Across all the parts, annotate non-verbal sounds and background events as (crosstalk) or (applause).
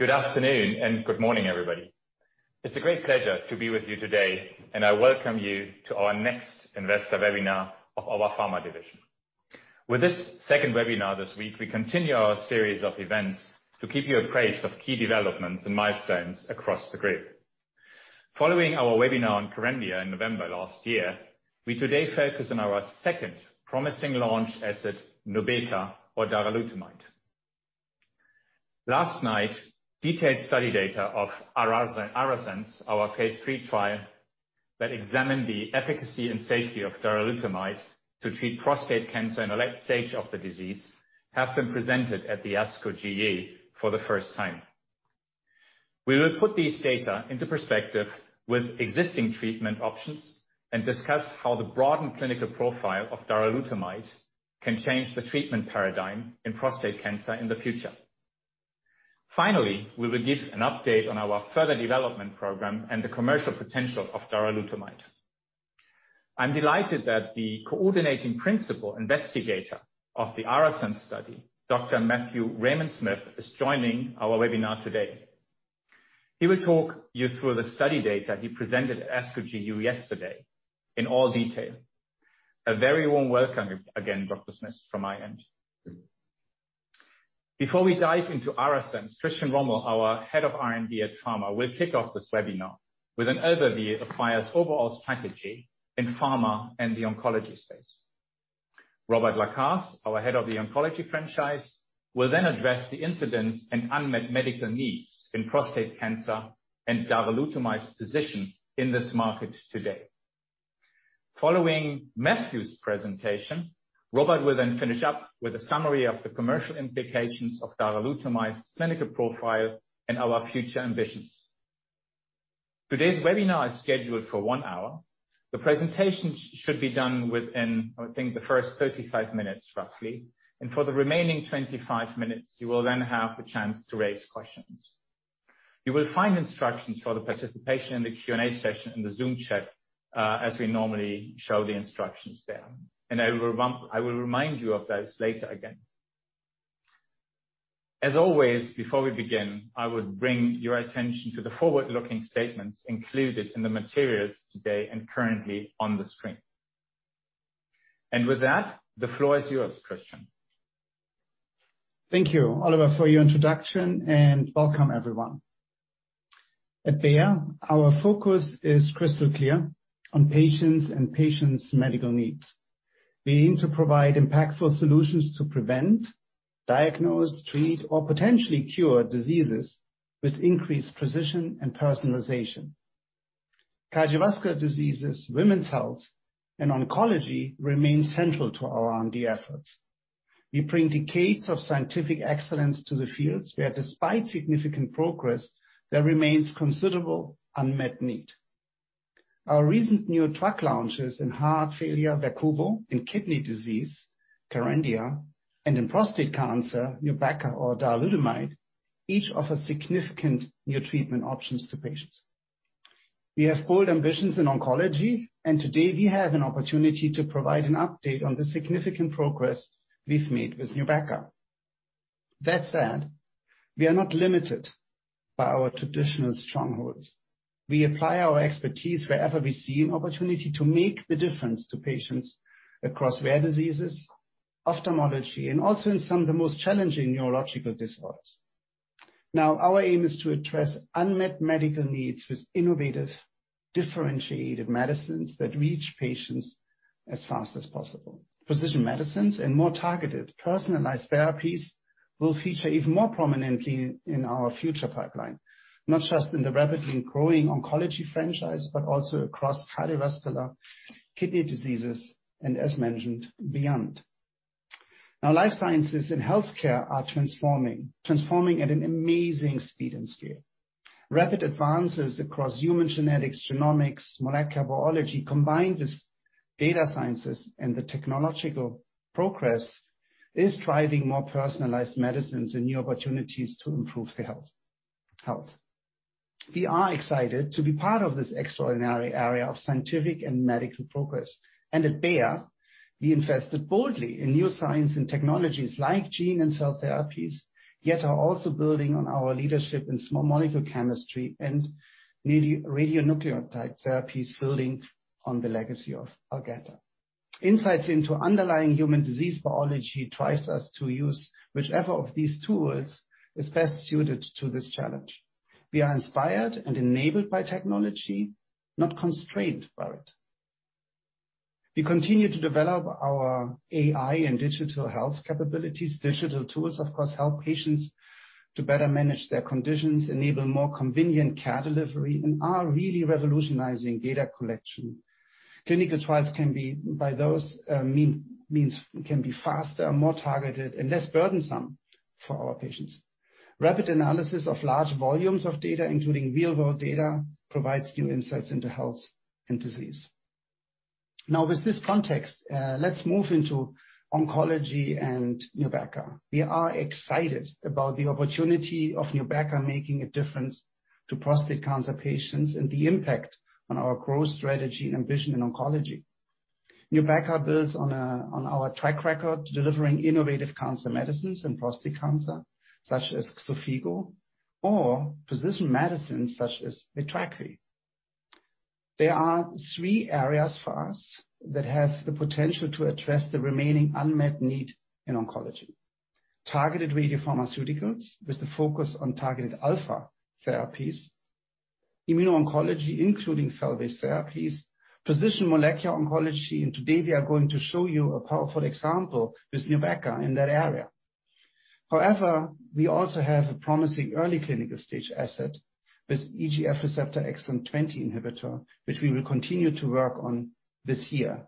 Good afternoon, and good morning, everybody. It's a great pleasure to be with you today, and I welcome you to our next investor webinar of our Pharma division. With this second webinar this week, we continue our series of events to keep you appraised of key developments and milestones across the group. Following our webinar on Kerendia in November last year, we today focus on our second promising launch asset, Nubeqa or darolutamide. Last night, detailed study data of ARASENS, our phase III trial that examined the efficacy and safety of darolutamide to treat prostate cancer in a late stage of the disease, have been presented at the ASCO GU for the first time. We will put these data into perspective with existing treatment options and discuss how the broadened clinical profile of darolutamide can change the treatment paradigm in prostate cancer in the future. Finally, we will give an update on our further development program and the commercial potential of darolutamide. I'm delighted that the coordinating principal investigator of the ARASENS study, Dr. Matthew Raymond Smith, is joining our webinar today. He will talk you through the study data he presented at ASCO GU yesterday in all detail. A very warm welcome again, Dr. Smith, from my end. Before we dive into ARASENS, Christian Rommel, our Head of R&D at Pharma, will kick off this webinar with an overview of Bayer's overall strategy in pharma and the oncology space. Robert LaCaze, our Head of the Oncology Franchise, will then address the indications and unmet medical needs in prostate cancer and darolutamide's position in this market today. Following Matthew's presentation, Robert will then finish up with a summary of the commercial implications of darolutamide's clinical profile and our future ambitions. Today's webinar is scheduled for one hour. The presentation should be done within, I think, the first 35 minutes, roughly, and for the remaining 25 minutes, you will then have a chance to raise questions. You will find instructions for the participation in the Q&A session in the Zoom chat, as we normally show the instructions there. I will remind you of those later again. As always, before we begin, I would bring your attention to the forward-looking statements included in the materials today and currently on the screen. With that, the floor is yours, Christian. Thank you, Oliver, for your introduction, and welcome everyone. At Bayer, our focus is crystal clear on patients and patients' medical needs. We aim to provide impactful solutions to prevent, diagnose, treat, or potentially cure diseases with increased precision and personalization. Cardiovascular diseases, women's health, and oncology remain central to our R&D efforts. We bring decades of scientific excellence to the fields where, despite significant progress, there remains considerable unmet need. Our recent new drug launches in heart failure, Verquvo, in kidney disease, Kerendia, and in prostate cancer, Nubeqa or darolutamide, each offer significant new treatment options to patients. We have bold ambitions in oncology, and today we have an opportunity to provide an update on the significant progress we've made with Nubeqa. That said, we are not limited by our traditional strongholds. We apply our expertise wherever we see an opportunity to make the difference to patients across rare diseases, ophthalmology, and also in some of the most challenging neurological disorders. Now, our aim is to address unmet medical needs with innovative, differentiated medicines that reach patients as fast as possible. Precision medicines and more targeted personalized therapies will feature even more prominently in our future pipeline, not just in the rapidly growing oncology franchise, but also across cardiovascular, kidney diseases, and as mentioned, beyond. Now, life sciences and healthcare are transforming at an amazing speed and scale. Rapid advances across human genetics, genomics, molecular biology, combined with data sciences and the technological progress, is driving more personalized medicines and new opportunities to improve the health. We are excited to be part of this extraordinary area of scientific and medical progress. At Bayer, we invested boldly in new science and technologies like gene and cell therapies, yet are also building on our leadership in small molecule chemistry and radionuclide therapies, building on the legacy of Algeta. Insights into underlying human disease biology drives us to use whichever of these tools is best suited to this challenge. We are inspired and enabled by technology, not constrained by it. We continue to develop our AI and digital health capabilities. Digital tools, of course, help patients to better manage their conditions, enable more convenient care delivery, and are really revolutionizing data collection. Clinical trials can be, by those means, can be faster, more targeted, and less burdensome for our patients. Rapid analysis of large volumes of data, including real-world data, provides new insights into health and disease. Now, with this context, let's move into oncology and Nubeqa. We are excited about the opportunity of Nubeqa making a difference to prostate cancer patients and the impact on our growth strategy and ambition in oncology. Nubeqa builds on our track record of delivering innovative cancer medicines in prostate cancer, such as Xofigo, or precision medicine such as Vitrakvi. There are three areas for us that have the potential to address the remaining unmet need in oncology. Targeted radiopharmaceuticals with the focus on targeted alpha therapies, immuno-oncology, including cell-based therapies, precision molecular oncology, and today we are going to show you a powerful example with Nubeqa in that area. However, we also have a promising early clinical stage asset with EGFR exon 20 inhibitor, which we will continue to work on this year.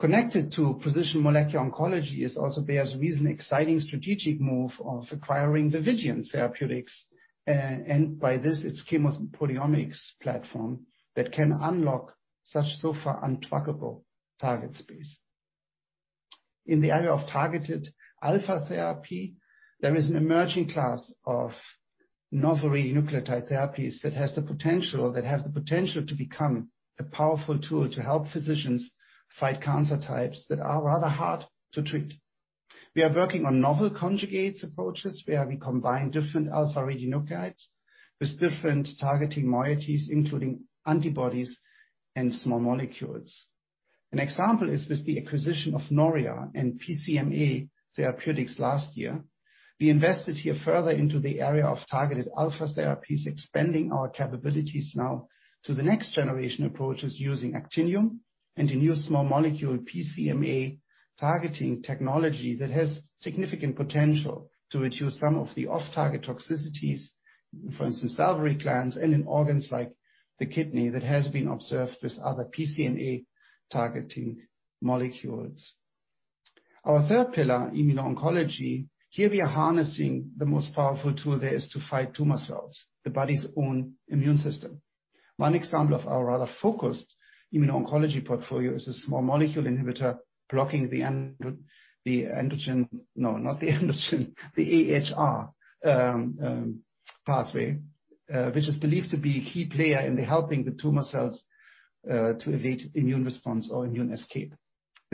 Connected to precision molecular oncology is also Bayer's recent exciting strategic move of acquiring Vividion Therapeutics, and by this its chemoproteomics platform that can unlock such so far untrackable target space. In the area of targeted alpha therapy, there is an emerging class of novel radionuclide therapies that have the potential to become a powerful tool to help physicians fight cancer types that are rather hard to treat. We are working on novel conjugate approaches, where we combine different alpha radionuclides with different targeting moieties, including antibodies and small molecules. An example is with the acquisition of Noria and PSMA Therapeutics last year. We invested here further into the area of targeted alpha therapies, expanding our capabilities now to the next generation approaches using actinium and a new small molecule PSMA-targeting technology that has significant potential to reduce some of the off-target toxicities, for instance, salivary glands and in organs like the kidney that has been observed with other PSMA-targeting molecules. Our third pillar, immuno-oncology. Here we are harnessing the most powerful tool there is to fight tumor cells, the body's own immune system. One example of our rather focused immuno-oncology portfolio is a small molecule inhibitor blocking the AHR pathway, which is believed to be a key player in helping the tumor cells to evade immune response or immune escape.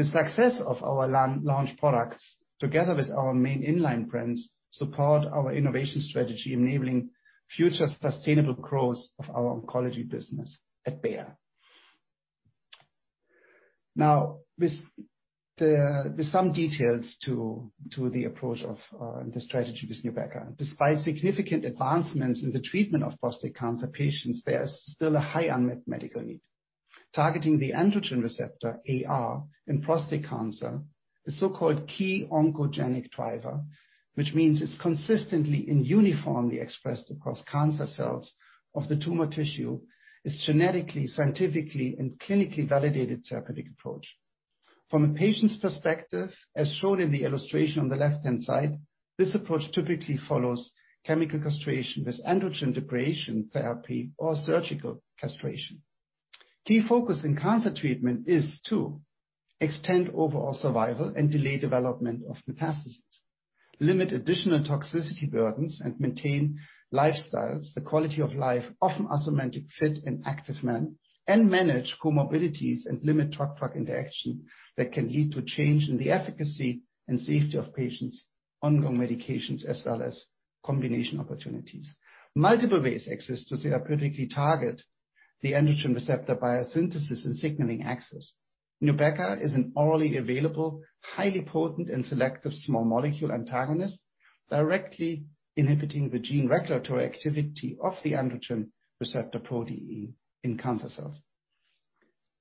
The success of our launch products, together with our main inline brands, support our innovation strategy, enabling future sustainable growth of our oncology business at Bayer. Now, with some details to the approach of the strategy with Nubeqa. Despite significant advancements in the treatment of prostate cancer patients, there is still a high unmet medical need. Targeting the androgen receptor, AR, in prostate cancer, the so-called key oncogenic driver, which means it's consistently and uniformly expressed across cancer cells of the tumor tissue, is genetically, scientifically, and clinically validated therapeutic approach. From a patient's perspective, as shown in the illustration on the left-hand side, this approach typically follows chemical castration with androgen deprivation therapy or surgical castration. Key focus in cancer treatment is to extend overall survival and delay development of metastases, limit additional toxicity burdens, and maintain lifestyles, the quality of life, often asymptomatic, fit, and active men, and manage comorbidities and limit drug-drug interaction that can lead to change in the efficacy and safety of patients' ongoing medications as well as combination opportunities. Multiple ways exist to therapeutically target the androgen receptor biosynthesis and signaling axis. Nubeqa is an orally available, highly potent and selective small molecule antagonist, directly inhibiting the gene regulatory activity of the androgen receptor protein in cancer cells.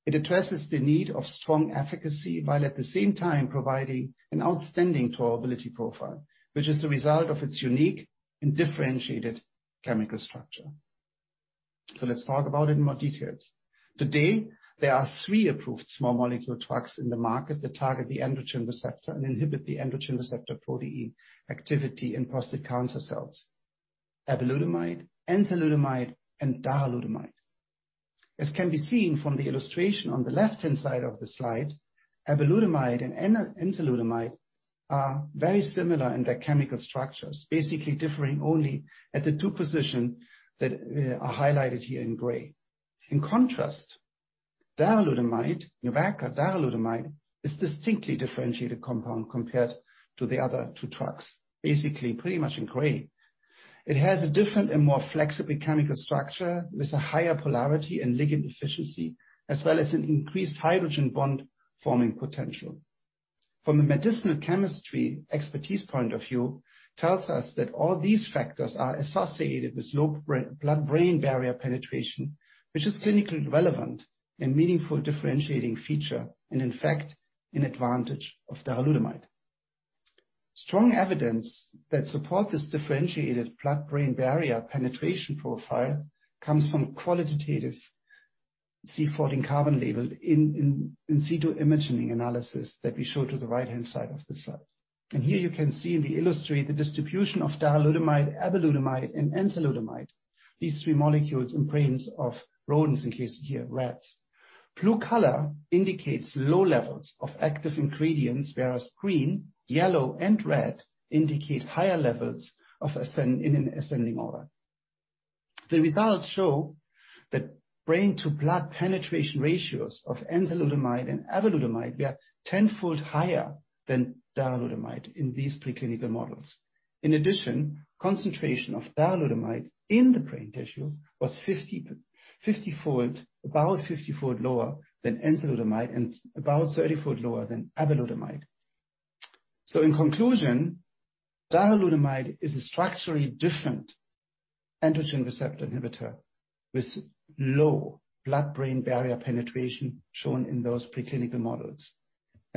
It addresses the need of strong efficacy, while at the same time providing an outstanding tolerability profile, which is the result of its unique and differentiated chemical structure. Let's talk about it in more details. Today, there are three approved small molecule drugs in the market that target the androgen receptor and inhibit the androgen receptor protein activity in prostate cancer cells: apalutamide, enzalutamide, and darolutamide. As can be seen from the illustration on the left-hand side of the slide, apalutamide and enzalutamide are very similar in their chemical structures, basically differing only at the two position that are highlighted here in gray. In contrast, darolutamide, Nubeqa darolutamide, is a distinctly differentiated compound compared to the other two drugs, basically pretty much in gray. It has a different and more flexible chemical structure with a higher polarity and ligand efficiency, as well as an increased hydrogen bond-forming potential. From a medicinal chemistry expertise point of view, tells us that all these factors are associated with low blood-brain barrier penetration, which is clinically relevant and meaningful differentiating feature, and in fact, an advantage of darolutamide. Strong evidence that support this differentiated blood-brain barrier penetration profile comes from qualitative C14 carbon-labeled in situ imaging analysis that we show to the right-hand side of the slide. Here you can see in the illustration the distribution of darolutamide, apalutamide, and enzalutamide, these three molecules in brains of rodents, in this case, rats. Blue color indicates low levels of active ingredients, whereas green, yellow and red indicate higher levels of ascending, in an ascending order. The results show that brain to blood penetration ratios of enzalutamide and apalutamide were 10-fold higher than darolutamide in these preclinical models. In addition, concentration of darolutamide in the brain tissue was about 50-fold lower than enzalutamide and about 30-fold lower than apalutamide. In conclusion, darolutamide is a structurally different androgen receptor inhibitor with low blood-brain barrier penetration shown in those preclinical models.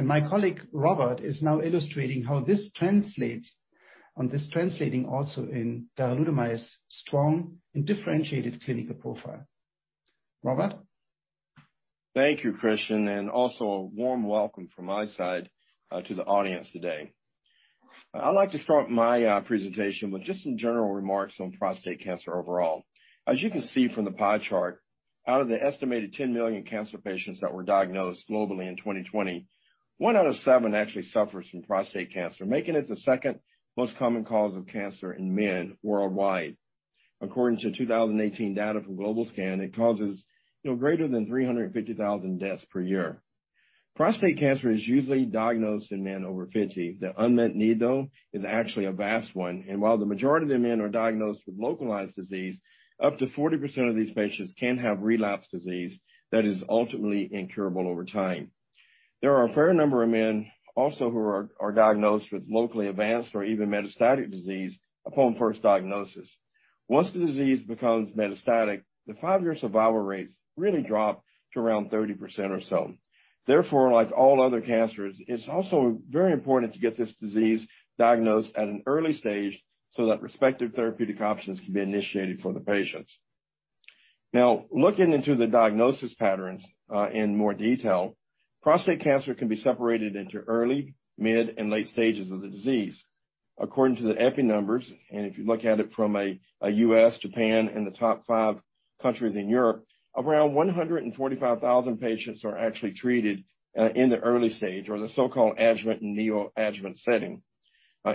My colleague Robert is now illustrating how this translates into darolutamide's strong and differentiated clinical profile. Robert? Thank you, Christian, and also a warm welcome from my side to the audience today. I'd like to start my presentation with just some general remarks on prostate cancer overall. As you can see from the pie chart, out of the estimated 10 million cancer patients that were diagnosed globally in 2020, one out of seven actually suffers from prostate cancer, making it the second most common cause of cancer in men worldwide. According to 2018 data from GLOBOCAN, it causes, you know, greater than 350,000 deaths per year. Prostate cancer is usually diagnosed in men over 50. The unmet need, though, is actually a vast one, and while the majority of the men are diagnosed with localized disease, up to 40% of these patients can have relapse disease that is ultimately incurable over time. There are a fair number of men also who are diagnosed with locally advanced or even metastatic disease upon first diagnosis. Once the disease becomes metastatic, the five-year survival rates really drop to around 30% or so. Therefore, like all other cancers, it's also very important to get this disease diagnosed at an early stage so that respective therapeutic options can be initiated for the patients. Now, looking into the diagnosis patterns in more detail, prostate cancer can be separated into early, mid, and late stages of the disease. According to the epi numbers, if you look at it from a U.S., Japan, and the top five countries in Europe, around 145,000 patients are actually treated in the early stage or the so-called adjuvant and neoadjuvant setting.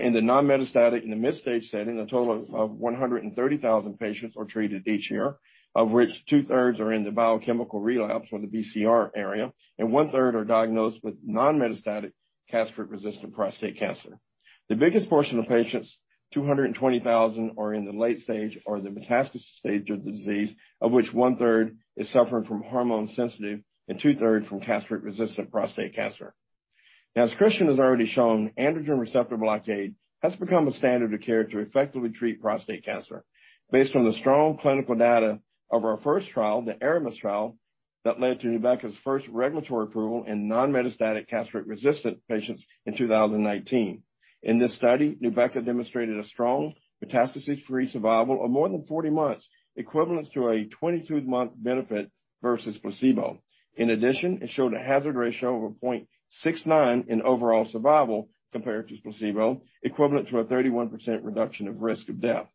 In the non-metastatic and the midstage setting, a total of 130,000 patients are treated each year, of which 2/3 are in the biochemical relapse or the BCR area, and 1/3 are diagnosed with non-metastatic castration-resistant prostate cancer. The biggest portion of patients, 220,000, are in the late stage or the metastasis stage of the disease, of which 1/3 is suffering from hormone-sensitive and 2/3 from castration-resistant prostate cancer. Now, as Christian has already shown, androgen receptor blockade has become a standard of care to effectively treat prostate cancer. Based on the strong clinical data of our first trial, the ARAMIS trial, that led to Nubeqa's first regulatory approval in non-metastatic castration-resistant patients in 2019. In this study, Nubeqa demonstrated a strong metastasis-free survival of more than 40 months, equivalent to a 22-month benefit versus placebo. In addition, it showed a hazard ratio of 0.69 in overall survival compared to placebo, equivalent to a 31% reduction of risk of death.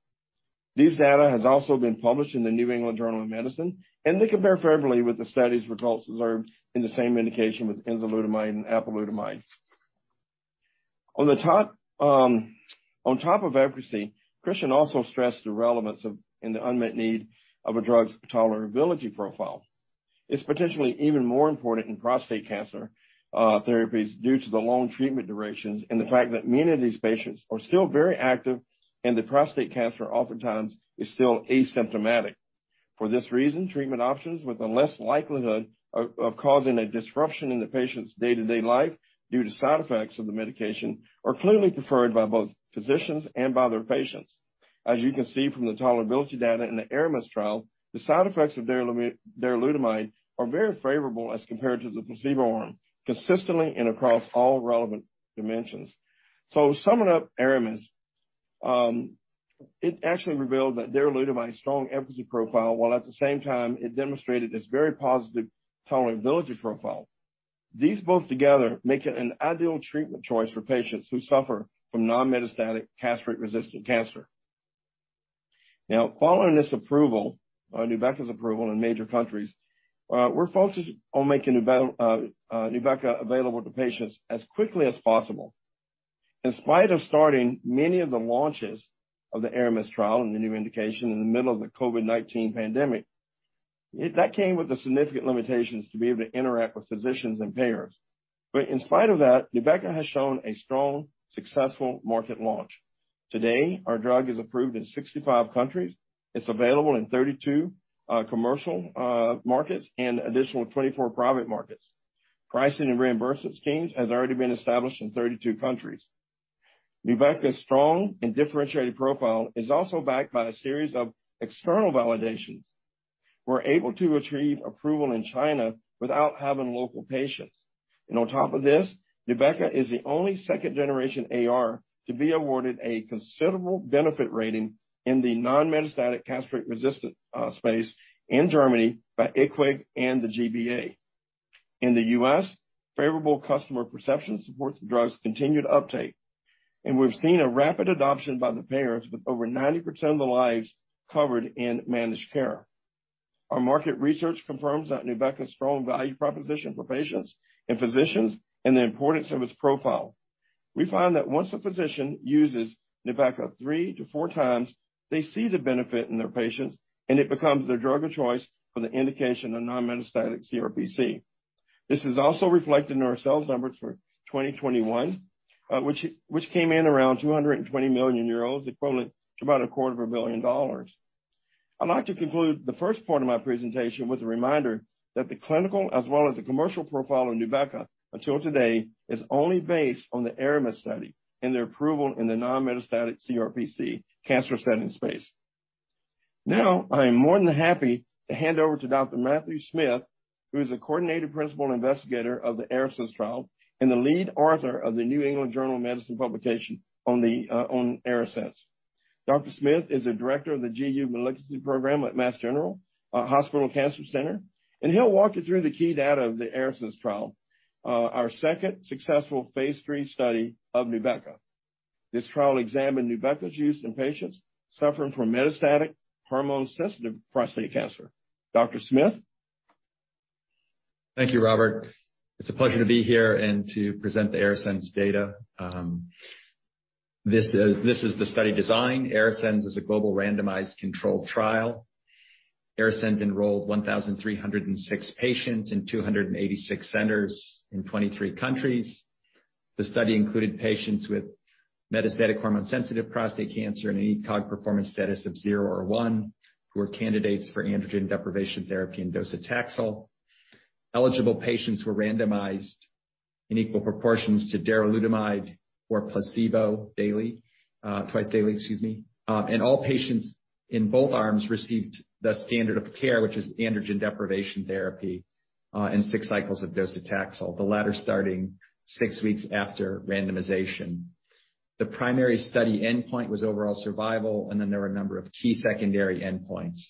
This data has also been published in the New England Journal of Medicine, and they compare favorably with the study's results observed in the same indication with enzalutamide and apalutamide. On top of efficacy, Christian also stressed the relevance of, in the unmet need of a drug's tolerability profile. It's potentially even more important in prostate cancer therapies due to the long treatment durations and the fact that many of these patients are still very active, and the prostate cancer oftentimes is still asymptomatic. For this reason, treatment options with a less likelihood of causing a disruption in the patient's day-to-day life due to side effects of the medication are clearly preferred by both physicians and by their patients. As you can see from the tolerability data in the ARAMIS trial, the side effects of darolutamide are very favorable as compared to the placebo arm, consistently and across all relevant dimensions. Summing up ARAMIS, it actually revealed that darolutamide's strong efficacy profile, while at the same time it demonstrated this very positive tolerability profile. These both together make it an ideal treatment choice for patients who suffer from non-metastatic castration-resistant cancer. Now, following this approval, Nubeqa's approval in major countries, we're focused on making Nubeqa available to patients as quickly as possible. In spite of starting many of the launches of the ARAMIS trial and the new indication in the middle of the COVID-19 pandemic, that came with the significant limitations to be able to interact with physicians and payers. In spite of that, Nubeqa has shown a strong successful market launch. Today, our drug is approved in 65 countries. It's available in 32 commercial markets and additional 24 private markets. Pricing and reimbursement schemes has already been established in 32 countries. Nubeqa's strong and differentiated profile is also backed by a series of external validations. We're able to receive approval in China without having local patients. On top of this, Nubeqa is the only second-generation AR to be awarded a considerable benefit rating in the non-metastatic castration-resistant space in Germany by IQWiG and the G-BA. In the U.S., favorable customer perception supports the drug's continued uptake, and we've seen a rapid adoption by the payers with over 90% of the lives covered in managed care. Our market research confirms that Nubeqa's strong value proposition for patients and physicians and the importance of its profile. We find that once a physician uses Nubeqa 3x-4x, they see the benefit in their patients, and it becomes their drug of choice for the indication of non-metastatic CRPC. This is also reflected in our sales numbers for 2021, which came in around 220 million euros, equivalent to about $250 million. I'd like to conclude the first part of my presentation with a reminder that the clinical as well as the commercial profile of Nubeqa until today is only based on the ARAMIS study and their approval in the non-metastatic CRPC cancer setting space. Now, I am more than happy to hand over to Dr. Matthew Smith, who is the Coordinating Principal Investigator of the ARASENS trial and the lead author of the New England Journal of Medicine publication on ARASENS. Dr. Smith is the Director of the GU Malignancies Program at Massachusetts General Hospital Cancer Center, and he'll walk you through the key data of the ARASENS trial, our second successful phase III study of Nubeqa. This trial examined Nubeqa's use in patients suffering from metastatic hormone-sensitive prostate cancer. Dr. Smith? Thank you, Robert. It's a pleasure to be here and to present the ARASENS data. This is the study design. ARASENS is a global randomized, controlled trial. ARASENS enrolled 1,306 patients in 286 centers in 23 countries. The study included patients with metastatic hormone-sensitive prostate cancer in any ECOG performance status of 0 or 1 who are candidates for androgen deprivation therapy and docetaxel. Eligible patients were randomized in equal proportions to darolutamide or placebo twice daily. All patients in both arms received the standard of care, which is androgen deprivation therapy and six cycles of docetaxel, the latter starting six weeks after randomization. The primary study endpoint was overall survival, and then there were a number of key secondary endpoints.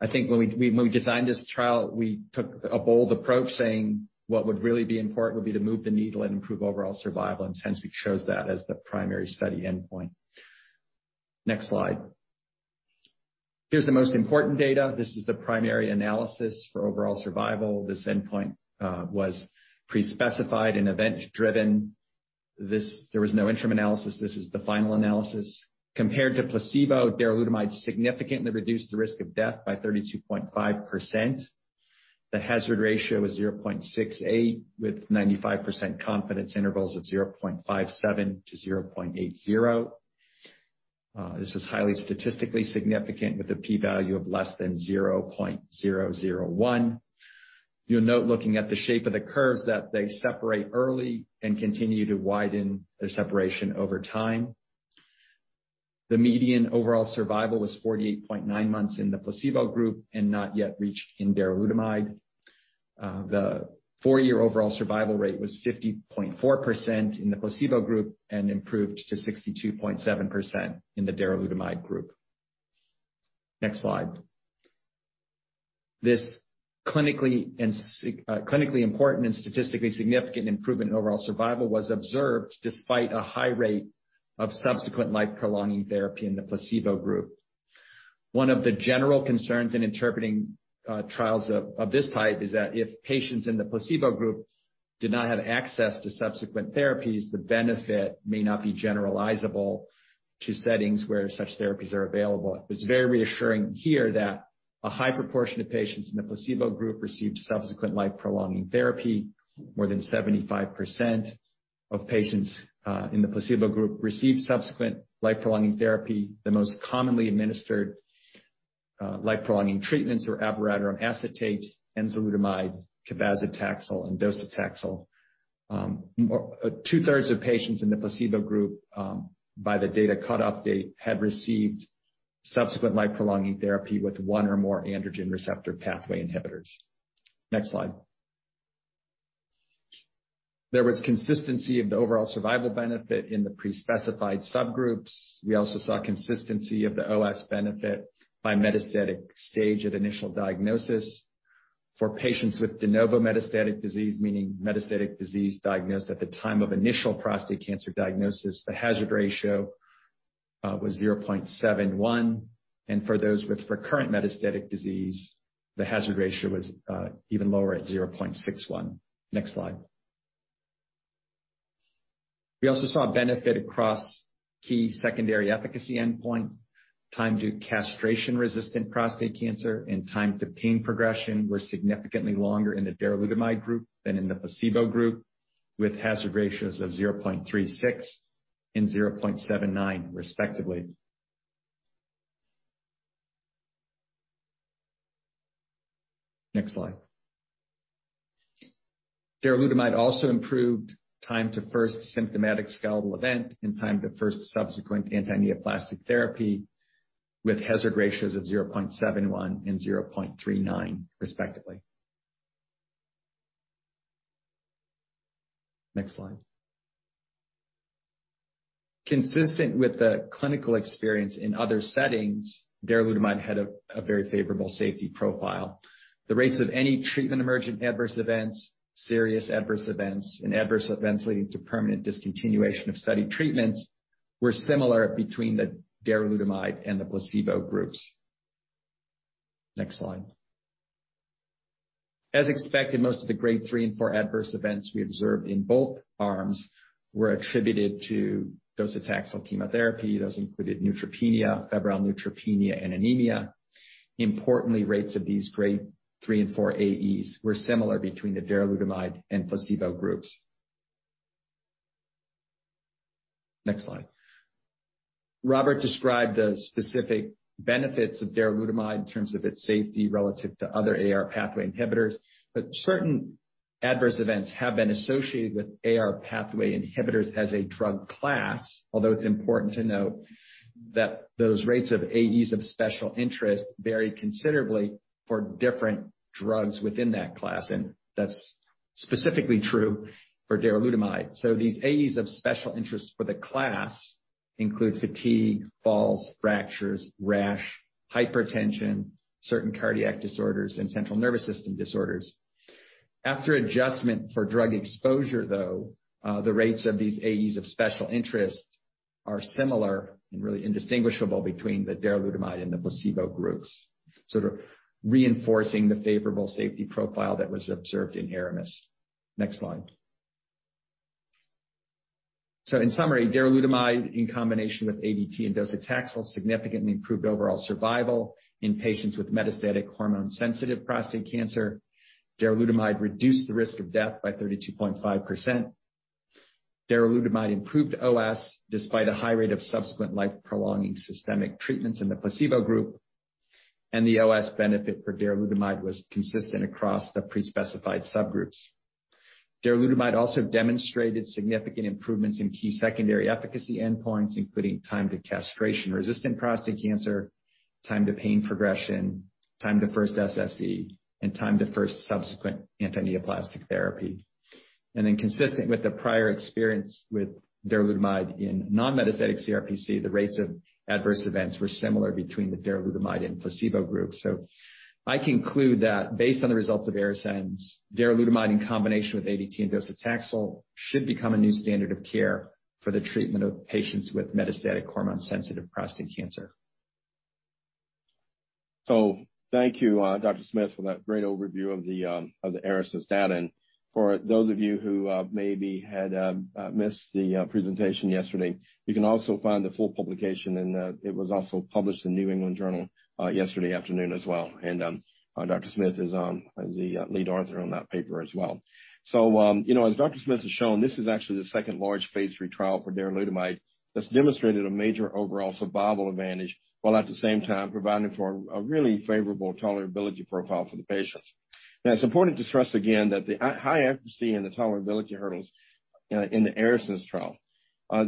I think when we designed this trial, we took a bold approach saying what would really be important would be to move the needle and improve overall survival, and hence we chose that as the primary study endpoint. Next slide. Here's the most important data. This is the primary analysis for overall survival. This endpoint was pre-specified and event-driven. There was no interim analysis. This is the final analysis. Compared to placebo, darolutamide significantly reduced the risk of death by 32.5%. The hazard ratio is 0.68 with 95% confidence intervals of 0.57-0.80. This is highly statistically significant with a p-value of less than 0.001. You'll note, looking at the shape of the curves, that they separate early and continue to widen their separation over time. The median overall survival was 48.9 months in the placebo group and not yet reached in darolutamide. The four-year overall survival rate was 50.4% in the placebo group and improved to 62.7% in the darolutamide group. Next slide. This clinically important and statistically significant improvement in overall survival was observed despite a high rate of subsequent life-prolonging therapy in the placebo group. One of the general concerns in interpreting trials of this type is that if patients in the placebo group did not have access to subsequent therapies, the benefit may not be generalizable to settings where such therapies are available. It's very reassuring here that a high proportion of patients in the placebo group received subsequent life-prolonging therapy. More than 75% of patients in the placebo group received subsequent life-prolonging therapy. The most commonly administered life-prolonging treatments were abiraterone acetate, enzalutamide, cabazitaxel, and docetaxel. 2/3 of patients in the placebo group, by the data cut-off date, had received subsequent life-prolonging therapy with one or more androgen receptor pathway inhibitors. Next slide. There was consistency of the overall survival benefit in the pre-specified subgroups. We also saw consistency of the OS benefit by metastatic stage at initial diagnosis. For patients with de novo metastatic disease, meaning metastatic disease diagnosed at the time of initial prostate cancer diagnosis, the hazard ratio was 0.71. For those with recurrent metastatic disease, the hazard ratio was even lower at 0.61. Next slide. We also saw a benefit across key secondary efficacy endpoints. Time to castration-resistant prostate cancer and time to pain progression were significantly longer in the darolutamide group than in the placebo group, with hazard ratios of 0.36 and 0.79, respectively. Next slide. Darolutamide also improved time to first symptomatic skeletal event and time to first subsequent anti-neoplastic therapy with hazard ratios of 0.71 and 0.39, respectively. Next slide. Consistent with the clinical experience in other settings, darolutamide had a very favorable safety profile. The rates of any treatment-emergent adverse events, serious adverse events, and adverse events leading to permanent discontinuation of study treatments were similar between the darolutamide and the placebo groups. Next slide. As expected, most of the Grade 3 and 4 adverse events we observed in both arms were attributed to docetaxel chemotherapy. Those included neutropenia, febrile neutropenia, and anemia. Importantly, rates of these Grade 3 and 4 AEs were similar between the darolutamide and placebo groups. Next slide. Robert described the specific benefits of darolutamide in terms of its safety relative to other AR pathway inhibitors, but certain adverse events have been associated with AR pathway inhibitors as a drug class. Although it's important to note that those rates of AEs of special interest vary considerably for different drugs within that class, and that's specifically true for darolutamide. These AEs of special interest for the class include fatigue, falls, fractures, rash, hypertension, certain cardiac disorders, and central nervous system disorders. After adjustment for drug exposure, though, the rates of these AEs of special interest are similar and really indistinguishable between the darolutamide and the placebo groups, sort of reinforcing the favorable safety profile that was observed in ARAMIS. Next slide. In summary, darolutamide in combination with ADT and docetaxel significantly improved overall survival in patients with metastatic hormone-sensitive prostate cancer. Darolutamide reduced the risk of death by 32.5%. Darolutamide improved OS despite a high rate of subsequent life-prolonging systemic treatments in the placebo group. The OS benefit for darolutamide was consistent across the pre-specified subgroups. Darolutamide also demonstrated significant improvements in key secondary efficacy endpoints, including time to castration-resistant prostate cancer, time to pain progression, time to first SSE, and time to first subsequent antineoplastic therapy. Consistent with the prior experience with darolutamide in non-metastatic CRPC, the rates of adverse events were similar between the darolutamide and placebo group. I conclude that based on the results of ARASENS, darolutamide in combination with ADT and docetaxel should become a new standard of care for the treatment of patients with metastatic hormone-sensitive prostate cancer. Thank you, Dr. Smith for that great overview of the ARASENS data. For those of you who maybe had missed the presentation yesterday, you can also find the full publication in the, it was also published in New England Journal yesterday afternoon as well. Dr. Smith is the lead author on that paper as well. You know, as Dr. Smith has shown, this is actually the second-largest phase III trial for darolutamide that's demonstrated a major overall survival advantage, while at the same time providing for a really favorable tolerability profile for the patients. It's important to stress again that the high efficacy and the tolerability hurdles in the ARASENS trial.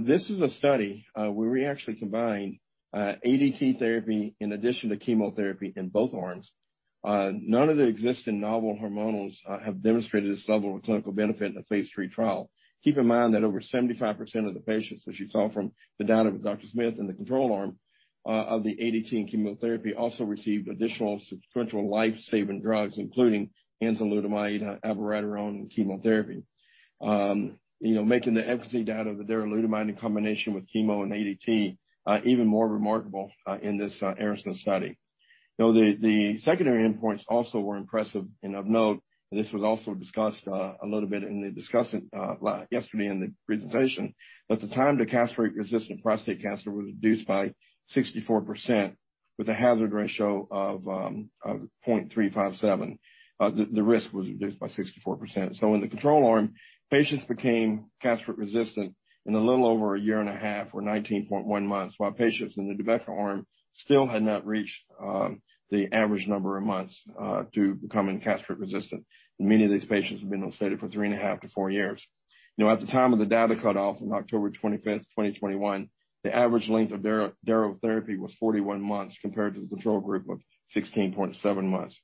This is a study where we actually combined ADT therapy in addition to chemotherapy in both arms. None of the existing novel hormonals have demonstrated this level of clinical benefit in a phase III trial. Keep in mind that over 75% of the patients, as you saw from the data with Dr. Smith in the control arm of the ADT and chemotherapy, also received additional substantial life-saving drugs, including enzalutamide, abiraterone, and chemotherapy. You know, making the efficacy data of the darolutamide in combination with chemo and ADT even more remarkable in this ARASENS study. You know, the secondary endpoints also were impressive and of note. This was also discussed a little bit in the discussion yesterday in the presentation. The time to castration-resistant prostate cancer was reduced by 64% with a hazard ratio of 0.357. The risk was reduced by 64%. In the control arm, patients became castration-resistant in a little over a year and a half or 19.1 months, while patients in the Nubeqa arm still had not reached the average number of months to becoming castration-resistant. Many of these patients have been on study for 3.5-4 years. You know, at the time of the data cutoff on October 25th, 2021, the average length of darolutamide therapy was 41 months compared to the control group of 16.7 months.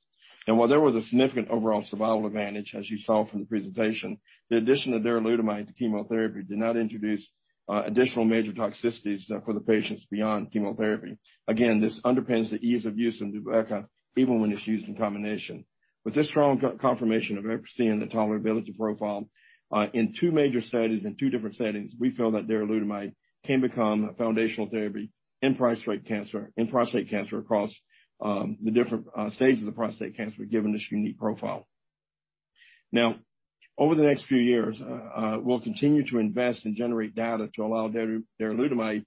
While there was a significant overall survival advantage, as you saw from the presentation, the addition of darolutamide to chemotherapy did not introduce additional major toxicities for the patients beyond chemotherapy. Again, this underpins the ease of use of Nubeqa, even when it's used in combination. With this strong co-confirmation of efficacy and the tolerability profile in two major studies in two different settings, we feel that darolutamide can become a foundational therapy in prostate cancer across the different stages of prostate cancer given this unique profile. Now, over the next few years, we'll continue to invest and generate data to allow darolutamide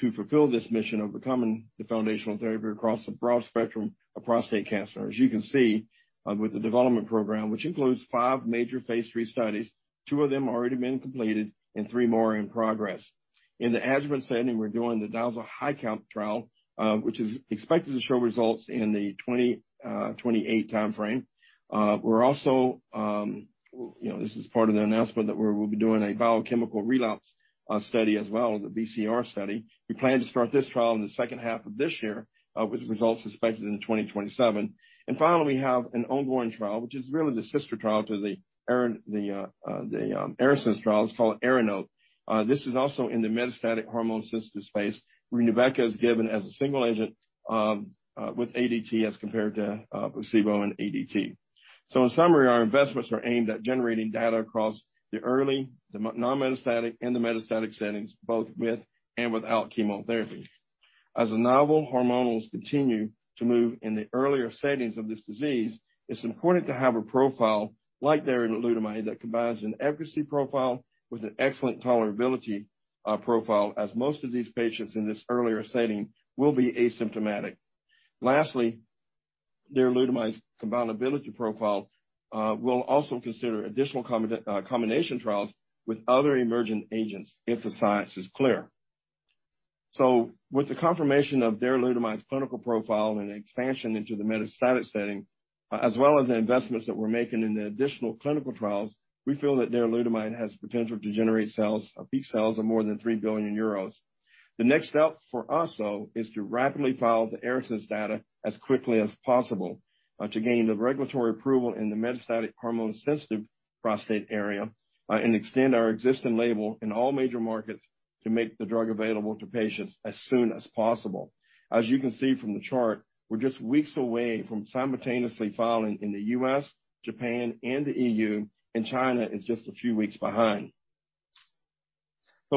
to fulfill this mission of becoming the foundational therapy across a broad spectrum of prostate cancer. As you can see, with the development program, which includes five major phase III studies, two of them already been completed and three more in progress. In the adjuvant setting, we're doing the DaSL-HiCap trial, which is expected to show results in the 2028 timeframe. We're also, you know, this is part of the announcement that we'll be doing a Biochemical Relapse study as well, the BCR study. We plan to start this trial in the second half of this year, with results expected in 2027. Finally, we have an ongoing trial, which is really the sister trial to the ARASENS trial. It's called ARANOTE. This is also in the metastatic hormone-sensitive space where Nubeqa is given as a single agent with ADT as compared to placebo and ADT. In summary, our investments are aimed at generating data across the early, non-metastatic and the metastatic settings, both with and without chemotherapy. As the novel hormonals continue to move in the earlier settings of this disease, it's important to have a profile like darolutamide that combines an efficacy profile with an excellent tolerability profile, as most of these patients in this earlier setting will be asymptomatic. Lastly, darolutamide's combinability profile will also consider additional combination trials with other emergent agents if the science is clear. With the confirmation of darolutamide's clinical profile and expansion into the metastatic setting, as well as the investments that we're making in the additional clinical trials, we feel that darolutamide has the potential to generate sales, peak sales of more than 3 billion euros. The next step for us, though, is to rapidly file the ARASENS data as quickly as possible, to gain the regulatory approval in the metastatic hormone-sensitive prostate area, and extend our existing label in all major markets to make the drug available to patients as soon as possible. As you can see from the chart, we're just weeks away from simultaneously filing in the U.S., Japan, and the E.U., and China is just a few weeks behind.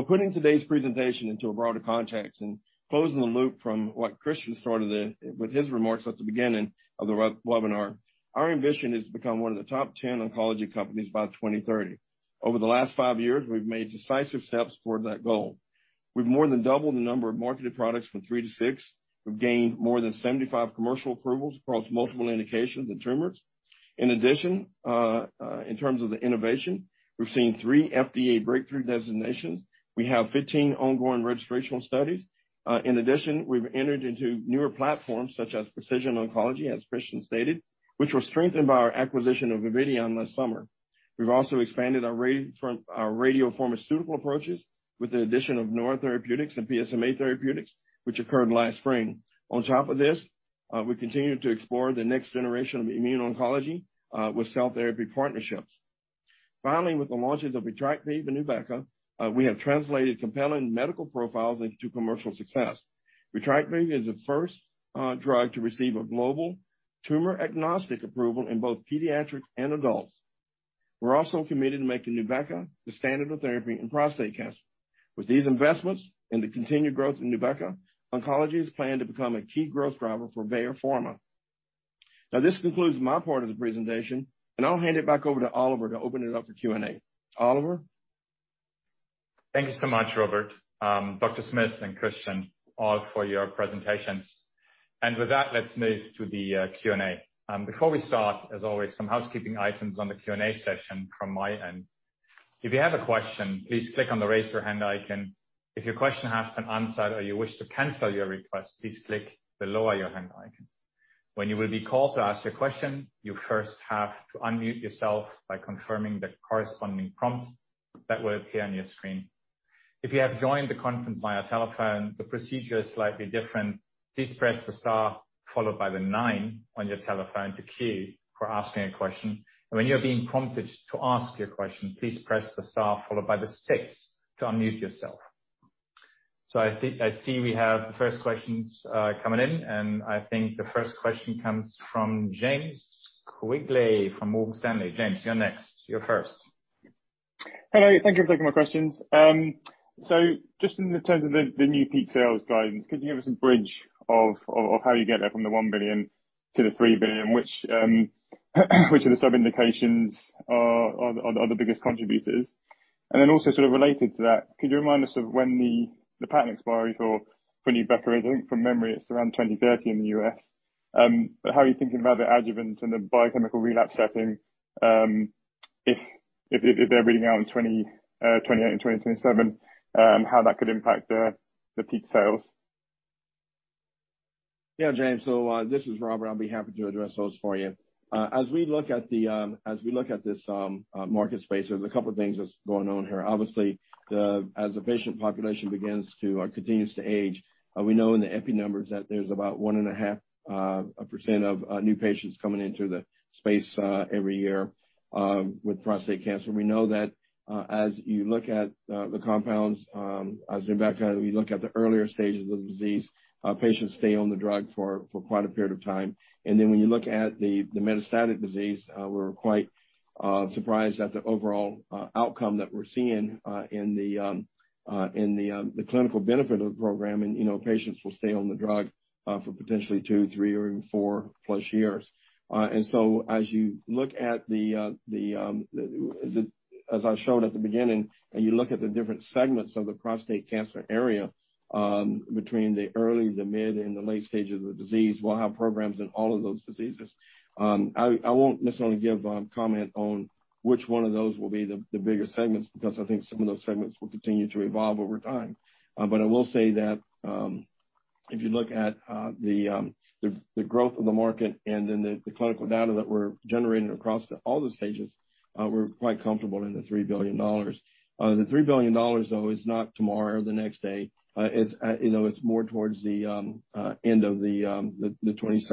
Putting today's presentation into a broader context and closing the loop from what Christian started with his remarks at the beginning of the webinar, our ambition is to become one of the top 10 oncology companies by 2030. Over the last five years, we've made decisive steps toward that goal. We've more than doubled the number of marketed products from three to six. We've gained more than 75 commercial approvals across multiple indications and tumors. In addition, in terms of the innovation, we've seen three FDA breakthrough designations. We have 15 ongoing registrational studies. In addition, we've entered into newer platforms such as precision oncology, as Christian stated, which was strengthened by our acquisition of Vividion last summer. We've also expanded our radiopharmaceutical approaches with the addition of Noria Therapeutics and PSMA Therapeutics, which occurred last spring. On top of this, we continue to explore the next generation of immuno-oncology with cell therapy partnerships. Finally, with the launches of Vitrakvi and Nubeqa, we have translated compelling medical profiles into commercial success. Vitrakvi is the first drug to receive a global tumor-agnostic approval in both pediatric and adults. We're also committed to making Nubeqa the standard of therapy in prostate cancer. With these investments and the continued growth in Nubeqa, oncology is planned to become a key growth driver for Bayer Pharma. Now this concludes my part of the presentation, and I'll hand it back over to Oliver to open it up to Q&A. Oliver? Thank you so much, Robert, Dr. Smith and Christian, all for your presentations. With that, let's move to the Q&A. Before we start, as always, some housekeeping items on the Q&A session from my end. If you have a question, please click on the Raise Your Hand icon. If your question has been answered or you wish to cancel your request, please click the Lower Your Hand icon. When you will be called to ask your question, you first have to unmute yourself by confirming the corresponding prompt that will appear on your screen. If you have joined the conference via telephone, the procedure is slightly different. Please press the star followed by the nine on your telephone to queue for asking a question. When you're being prompted to ask your question, please press the star followed by the six to unmute yourself. I see we have the first questions coming in, and I think the first question comes from James Quigley from Morgan Stanley. James, you're next. You're first. Hello. Thank you for taking my questions. So just in the terms of the new peak sales guidance, could you give us a bridge of how you get there from the $1 billion to the $3 billion? Which of the sub-indications are the biggest contributors? And then also sort of related to that, could you remind us of when the patent expires for Nubeqa? I think from memory it's around 2030 in the U.S. But how are you thinking about the adjuvant and the biochemical relapse setting, if they're reading out in 2028 and 2027, how that could impact the peak sales? Yeah, James. This is Robert. I'll be happy to address those for you. As we look at this market space, there's a couple of things that's going on here. Obviously, as the patient population begins to or continues to age, we know in the epi numbers that there's about 1.5% of new patients coming into the space every year with prostate cancer. We know that as you look at the compounds, as Nubeqa, you look at the earlier stages of the disease, patients stay on the drug for quite a period of time. When you look at the metastatic disease, we're quite surprised at the overall outcome that we're seeing in the clinical benefit of the program, and patients will stay on the drug for potentially two, three or even four-plus years. As I showed at the beginning, you look at the different segments of the prostate cancer area between the early, the mid, and the late stages of the disease. We'll have programs in all of those diseases. I won't necessarily give comment on which one of those will be the bigger segments because I think some of those segments will continue to evolve over time. I will say that, if you look at the growth of the market and then the clinical data that we're generating across all the stages, we're quite comfortable in the $3 billion. The $3 billion though is not tomorrow or the next day. It's, you know, more towards the end of the 2027-2029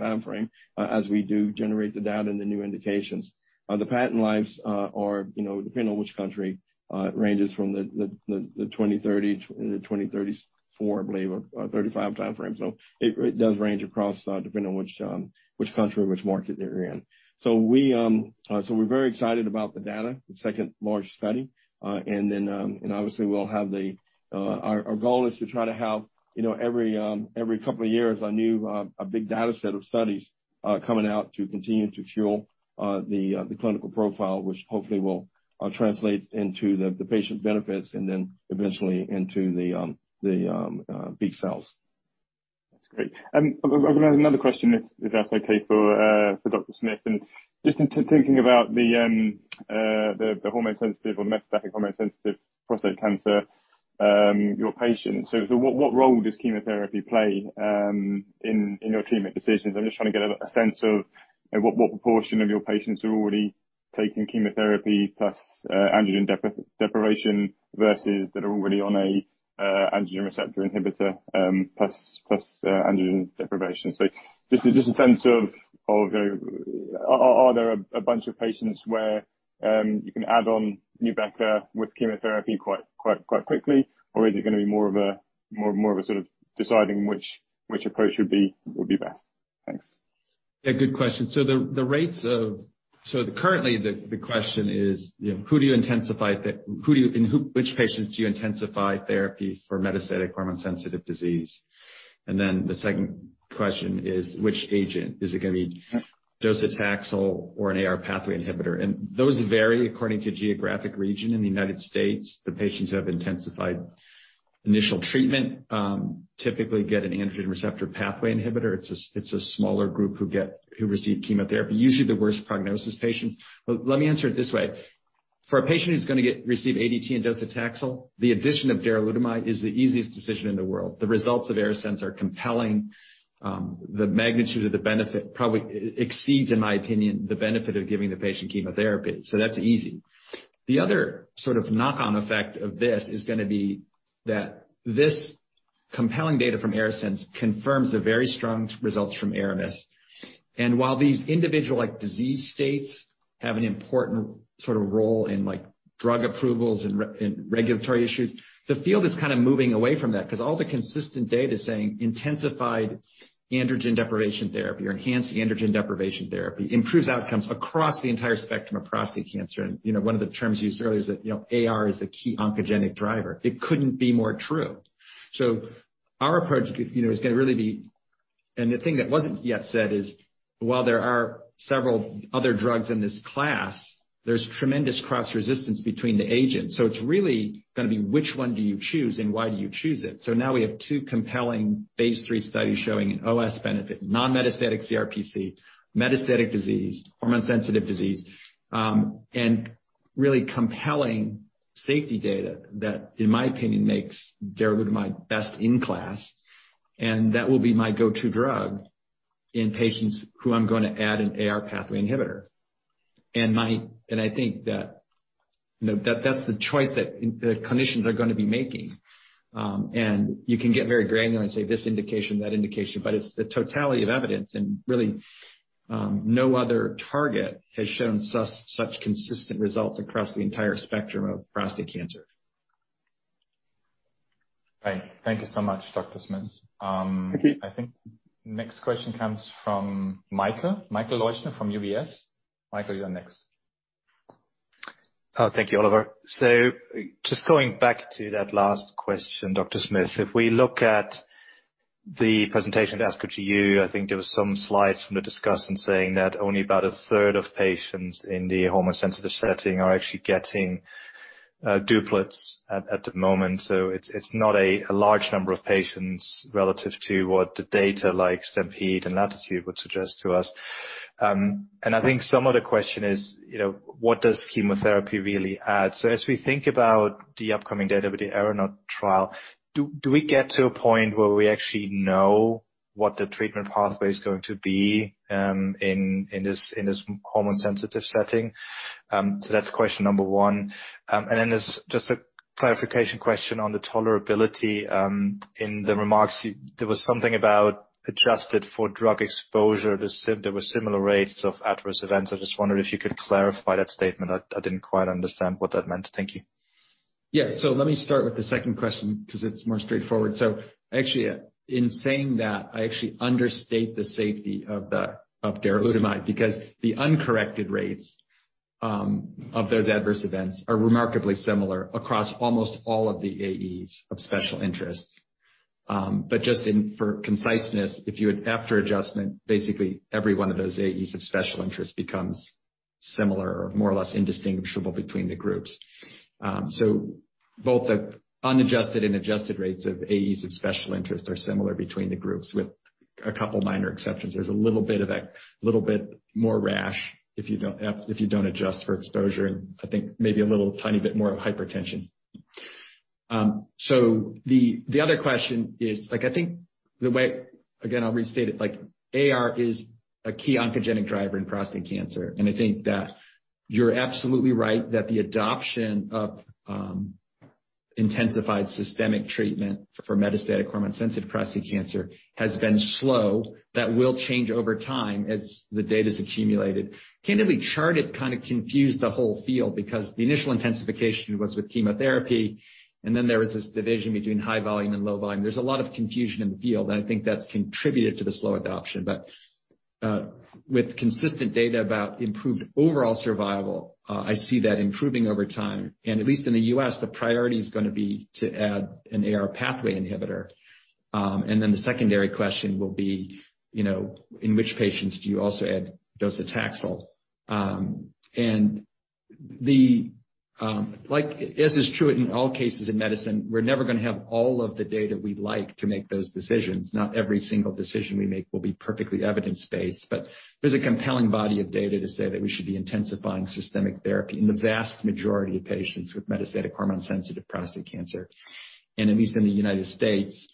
timeframe, as we do generate the data and the new indications. The patent lives are, you know, depending on which country, ranges from 2030-2034, I believe, or 2035 timeframe. It does range across, depending on which country or which market they're in. We're very excited about the data, the second large study. Obviously, our goal is to try to have, you know, every couple of years a new bit of dataset of studies coming out to continue to fuel the clinical profile, which hopefully will translate into the patient benefits and then eventually into the peak sales. That's great. I'm gonna ask another question if that's okay for Dr. Smith, and just in thinking about the hormone-sensitive or metastatic hormone-sensitive prostate cancer, your patients. What role does chemotherapy play in your treatment decisions? I'm just trying to get a sense of what proportion of your patients are already taking chemotherapy plus androgen deprivation versus that are already on a androgen receptor inhibitor plus androgen deprivation. Just a sense of are there a bunch of patients where you can add on Nubeqa with chemotherapy quite quickly? Or is it gonna be more of a sort of deciding which approach would be best? Thanks. Yeah, good question. Currently the question is, you know, which patients do you intensify therapy for metastatic hormone-sensitive disease? The second question is which agent? Is it gonna be docetaxel or an AR pathway inhibitor? Those vary according to geographic region. In the United States, the patients who have intensified initial treatment typically get an androgen receptor pathway inhibitor. It's a smaller group who receive chemotherapy. Usually the worst prognosis patients. Let me answer it this way. For a patient who's gonna receive ADT and docetaxel, the addition of darolutamide is the easiest decision in the world. The results of ARASENS are compelling. The magnitude of the benefit probably exceeds, in my opinion, the benefit of giving the patient chemotherapy. That's easy. The other sort of knock-on effect of this is gonna be that this compelling data from ARASENS confirms the very strong results from ARAMIS. While these individual like disease states have an important sort of role in like drug approvals and regulatory issues, the field is kinda moving away from that 'cause all the consistent data is saying intensified androgen deprivation therapy or enhanced androgen deprivation therapy improves outcomes across the entire spectrum of prostate cancer. You know, one of the terms used earlier is that, you know, AR is the key oncogenic driver. It couldn't be more true. Our approach, you know, is gonna really be. The thing that wasn't yet said is while there are several other drugs in this class, there's tremendous cross resistance between the agents. It's really gonna be which one do you choose and why do you choose it. Now we have two compelling phase III studies showing an OS benefit, non-metastatic CRPC, metastatic disease, hormone-sensitive disease, and really compelling safety data that, in my opinion, makes darolutamide best in class. That will be my go-to drug in patients who I'm gonna add an AR pathway inhibitor. I think that, you know, that's the choice that the clinicians are gonna be making. You can get very granular and say this indication, that indication, but it's the totality of evidence and really, no other target has shown such consistent results across the entire spectrum of prostate cancer. Right. Thank you so much, Dr. Smith. Thank you. I think next question comes from Michael. Michael Leuchten from UBS. Michael, you're next. Thank you, Oliver. Just going back to that last question, Dr. Smith. If we look at the presentation at ASCO GU, I think there were some slides from the discussant saying that only about 1/3 of patients in the hormone-sensitive setting are actually getting doublets at the moment. It's not a large number of patients relative to what the data like STAMPEDE and LATITUDE would suggest to us. And I think some of the question is, you know, what does chemotherapy really add? As we think about the upcoming data with the ARANOTE trial, do we get to a point where we actually know what the treatment pathway is going to be in this hormone-sensitive setting? That's question number one. There's just a clarification question on the tolerability in the remarks. There was something about adjusted for drug exposure. There were similar rates of adverse events. I just wondered if you could clarify that statement. I didn't quite understand what that meant. Thank you. Yeah. Let me start with the second question 'cause it's more straightforward. Actually, in saying that, I actually understate the safety of darolutamide because the uncorrected rates of those adverse events are remarkably similar across almost all of the AEs of special interest. But just for conciseness, if you would, after adjustment, basically every one of those AEs of special interest becomes similar or more or less indistinguishable between the groups. Both the unadjusted and adjusted rates of AEs of special interest are similar between the groups with a couple of minor exceptions. There's a little bit more rash if you don't adjust for exposure, and I think maybe a little tiny bit more of hypertension. The other question is, like, I think the way. Again, I'll restate it, like AR is a key oncogenic driver in prostate cancer. I think that you're absolutely right that the adoption of intensified systemic treatment for metastatic hormone-sensitive prostate cancer has been slow. That will change over time as the data's accumulated. Candidly, CHAARTED kind of confused the whole field because the initial intensification was with chemotherapy, and then there was this division between high volume and low volume. There's a lot of confusion in the field, and I think that's contributed to the slow adoption. But with consistent data about improved overall survival, I see that improving over time. At least in the U.S., the priority is gonna be to add an AR pathway inhibitor. The secondary question will be, you know, in which patients do you also add docetaxel. Like, as is true in all cases in medicine, we're never gonna have all of the data we'd like to make those decisions. Not every single decision we make will be perfectly evidence-based, but there's a compelling body of data to say that we should be intensifying systemic therapy in the vast majority of patients with metastatic hormone-sensitive prostate cancer. At least in the United States,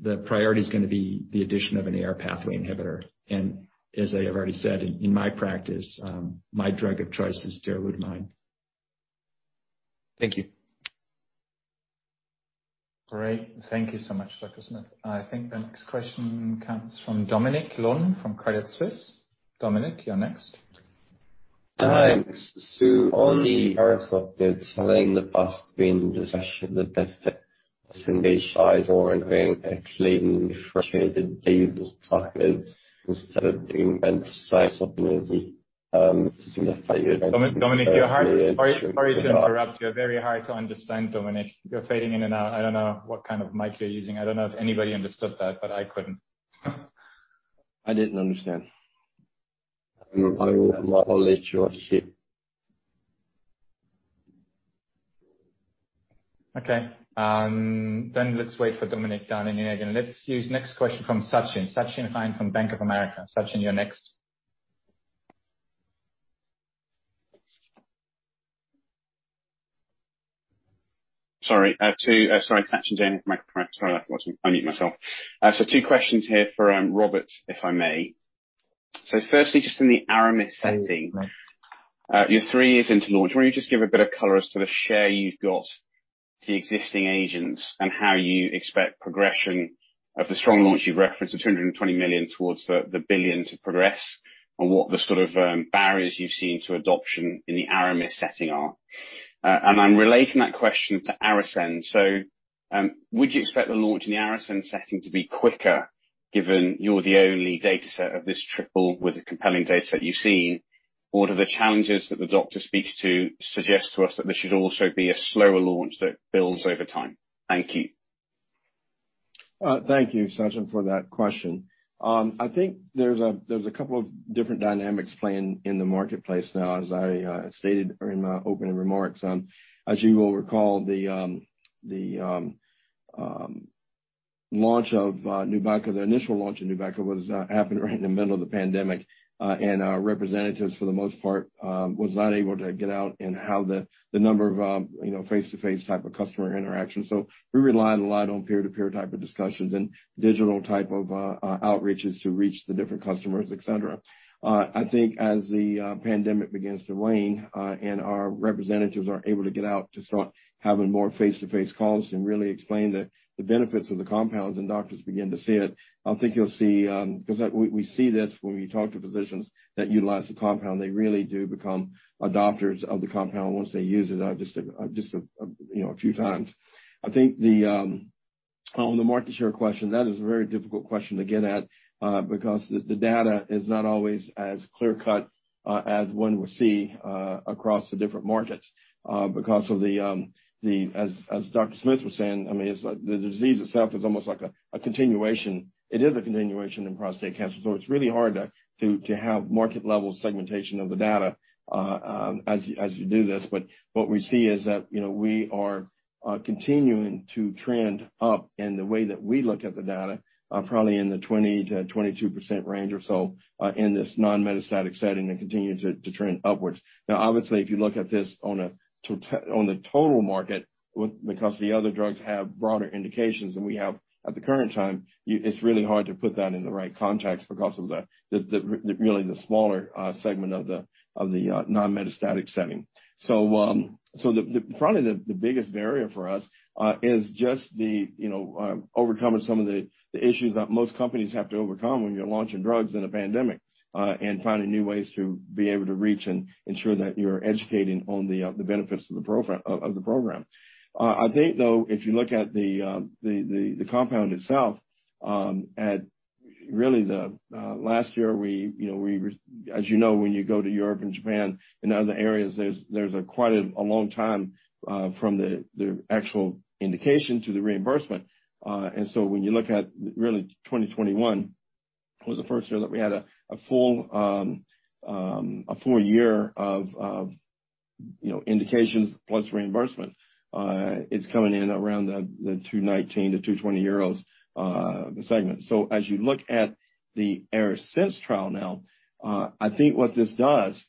the priority is gonna be the addition of an AR pathway inhibitor. As I have already said, in my practice, my drug of choice is darolutamide. Thank you. Great. Thank you so much, Dr. Smith. I think the next question comes from Dominic Lunn from Credit Suisse. Dominic, you're next. Thanks. On the ARASENS trial in the past being the session, the data and judged by or including for the STAMPEDE trial topics instead of being signed off as the significant that- Sorry to interrupt. You're very hard to understand, Dominic. You're fading in and out. I don't know what kind of mic you're using. I don't know if anybody understood that, but I couldn't. I didn't understand. I'll let you. (inaudible) Okay. Let's wait for Dominic Lunn to dial in here again. Let's take the next question from Sachin. Sachin Jain from Bank of America. Sachin, you're next. Sorry. I have two. I'm Sachin Jain. Sorry, I forgot to unmute myself. Two questions here for Robert, if I may. Firstly, just in the ARAMIS setting. Right. You're three years into launch. Why don't you just give a bit of color as to the share you've got to the existing agents and how you expect progression of the strong launch you've referenced, the 220 million towards the 1 billion to progress, and what the sort of barriers you've seen to adoption in the ARAMIS setting are. I'm relating that question to ARASENS. Would you expect the launch in the ARASENS setting to be quicker given you're the only data set of this triple with the compelling data set you've seen? What are the challenges that the doctor speaks to suggest to us that this should also be a slower launch that builds over time? Thank you. Thank you, Sachin, for that question. I think there's a couple of different dynamics playing in the marketplace now, as I stated in my opening remarks. As you will recall, the launch of Nubeqa, the initial launch of Nubeqa was happened right in the middle of the pandemic. Our representatives, for the most part, was not able to get out and have the number of you know, face-to-face type of customer interactions. We relied a lot on peer-to-peer type of discussions and digital type of outreaches to reach the different customers, et cetera. I think as the pandemic begins to wane, and our representatives are able to get out to start having more face-to-face calls and really explain the benefits of the compounds, and doctors begin to see it, I think you'll see. 'Cause we see this when we talk to physicians that utilize the compound. They really do become adopters of the compound once they use it, just you know, a few times. I think on the market share question, that is a very difficult question to get at, because the data is not always as clear-cut as one will see across the different markets, because of the. As Dr. Smith was saying, I mean, it's like the disease itself is almost like a continuation. It is a continuation in prostate cancer, so it's really hard to have market-level segmentation of the data as you do this. But what we see is that, you know, we are continuing to trend up in the way that we look at the data, probably in the 20%-22% range or so, in this non-metastatic setting and continue to trend upwards. Now obviously, if you look at this on the total market because the other drugs have broader indications than we have at the current time, it's really hard to put that in the right context because of the really smaller segment of the non-metastatic setting. So the... Probably the biggest barrier for us is just, you know, overcoming some of the issues that most companies have to overcome when you're launching drugs in a pandemic, and finding new ways to be able to reach and ensure that you're educating on the benefits of the program. I think though, if you look at the compound itself, really the last year, you know, as you know, when you go to Europe and Japan and other areas, there's quite a long time from the actual indication to the reimbursement, and so when you look at really 2021 was the first year that we had a full year of, you know, indications plus reimbursement. It's coming in around the 219 million-220 million euros segment. As you look at the ARASENS trial now, I think what this does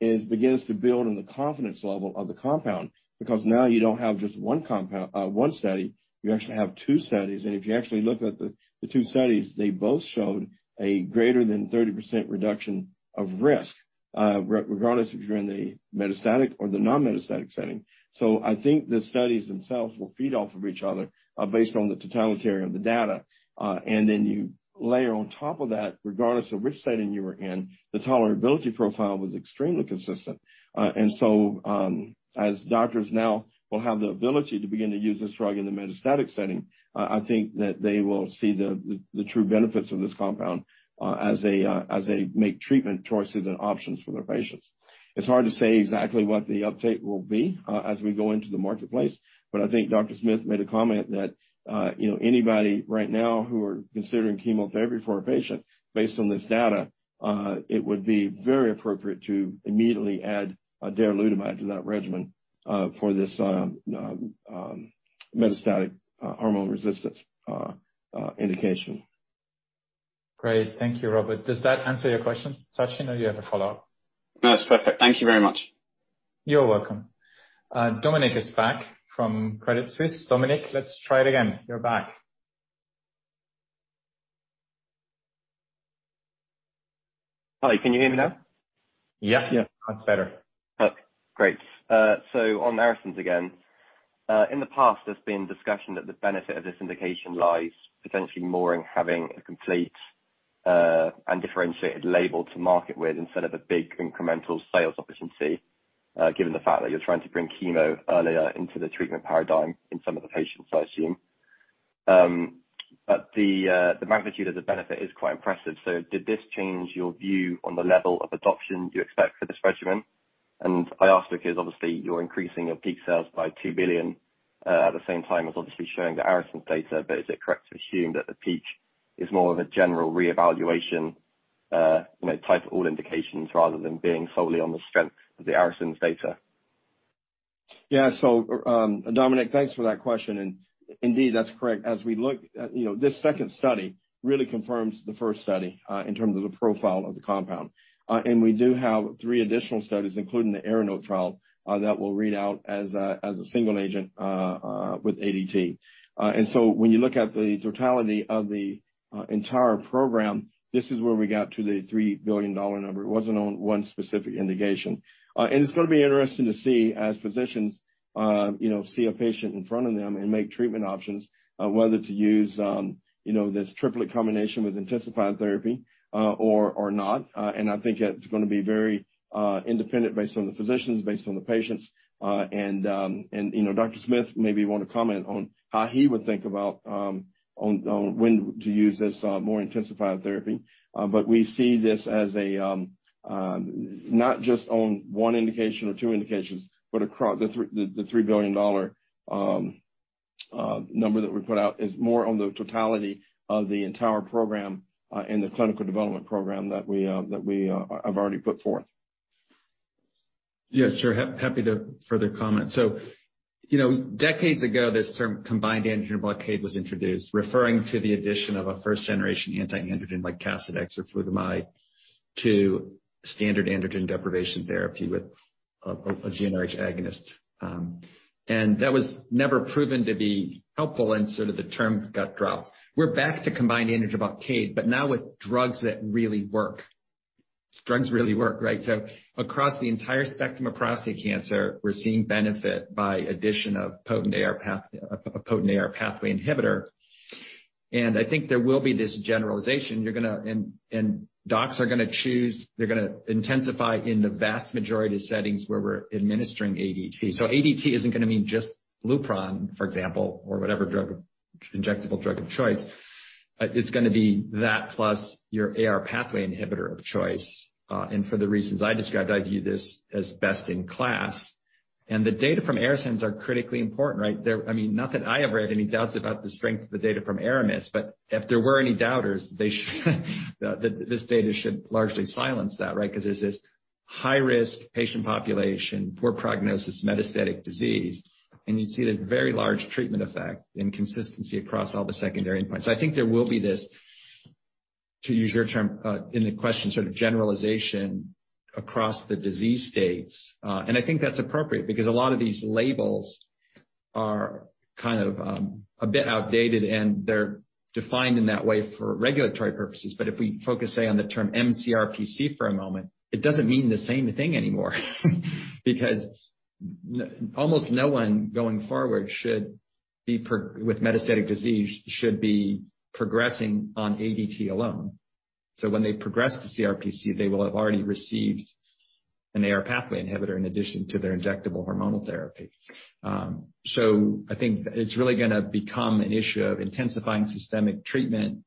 is begins to build on the confidence level of the compound because now you don't have just one study, you actually have two studies. If you actually look at the two studies, they both showed a greater than 30% reduction of risk, regardless if you're in the metastatic or the non-metastatic setting. I think the studies themselves will feed off of each other, based on the totality of the data. Then you layer on top of that, regardless of which setting you were in, the tolerability profile was extremely consistent. As doctors now will have the ability to begin to use this drug in the metastatic setting, I think that they will see the true benefits of this compound as they make treatment choices and options for their patients. It's hard to say exactly what the uptake will be as we go into the marketplace, but I think Dr. Smith made a comment that you know, anybody right now who are considering chemotherapy for a patient based on this data, it would be very appropriate to immediately add darolutamide to that regimen for this metastatic hormone-sensitive indication. Great. Thank you, Robert. Does that answer your question, Sachin? Or you have a follow-up? No, it's perfect. Thank you very much. You're welcome. Dominic is back from Credit Suisse. Dominic, let's try it again. You're back. Hi. Can you hear me now? Yes. Yeah. Much better. Okay, great. On ARASENS again. In the past, there's been discussion that the benefit of this indication lies potentially more in having a complete and differentiated label to market with instead of a big incremental sales efficiency, given the fact that you're trying to bring chemo earlier into the treatment paradigm in some of the patients, I assume. But the magnitude of the benefit is quite impressive. Did this change your view on the level of adoption you expect for this regimen? And I ask because obviously you're increasing your peak sales by $2 billion at the same time as obviously showing the ARASENS data. But is it correct to assume that the peak is more of a general reevaluation, you know, type of all indications rather than being solely on the strength of the ARASENS data? Yeah. Dominic, thanks for that question, and indeed that's correct. As we look, you know, this second study really confirms the first study in terms of the profile of the compound. We do have three additional studies, including the ARANOTE trial that will read out as a single agent with ADT. When you look at the totality of the entire program, this is where we got to the $3 billion number. It wasn't on one specific indication. It's gonna be interesting to see as physicians you know see a patient in front of them and make treatment options on whether to use you know this triplet combination with intensified therapy or not. I think it's gonna be very independent based on the physicians, based on the patients, and you know, Dr. Smith maybe wanna comment on how he would think about when to use this more intensified therapy. We see this as not just on one indication or two indications, the $3 billion number that we put out is more on the totality of the entire program and the clinical development program that we have already put forth. Yeah, sure. Happy to further comment. You know, decades ago, this term combined androgen blockade was introduced, referring to the addition of a first-generation anti-androgen like Casodex or flutamide to standard androgen deprivation therapy with a GnRH agonist. That was never proven to be helpful, so the term got dropped. We're back to combined androgen blockade, but now with drugs that really work. Drugs really work, right? Across the entire spectrum of prostate cancer, we're seeing benefit by addition of potent AR pathway inhibitor. I think there will be this generalization. Docs are gonna choose. They're gonna intensify in the vast majority of settings where we're administering ADT. ADT isn't gonna mean just Lupron, for example, or whatever injectable drug of choice. It's gonna be that plus your AR pathway inhibitor of choice. For the reasons I described, I view this as best in class. The data from ARASENS are critically important, right? I mean, not that I ever had any doubts about the strength of the data from ARAMIS, but if there were any doubters, this data should largely silence that, right? 'Cause there's this high-risk patient population, poor prognosis, metastatic disease, and you see this very large treatment effect and consistency across all the secondary endpoints. I think there will be this, to use your term, in the question, sort of generalization across the disease states. I think that's appropriate because a lot of these labels are kind of, a bit outdated, and they're defined in that way for regulatory purposes. If we focus, say, on the term mCRPC for a moment, it doesn't mean the same thing anymore, because almost no one going forward with metastatic disease should be progressing on ADT alone. When they progress to CRPC, they will have already received an AR pathway inhibitor in addition to their injectable hormonal therapy. I think it's really gonna become an issue of intensifying systemic treatment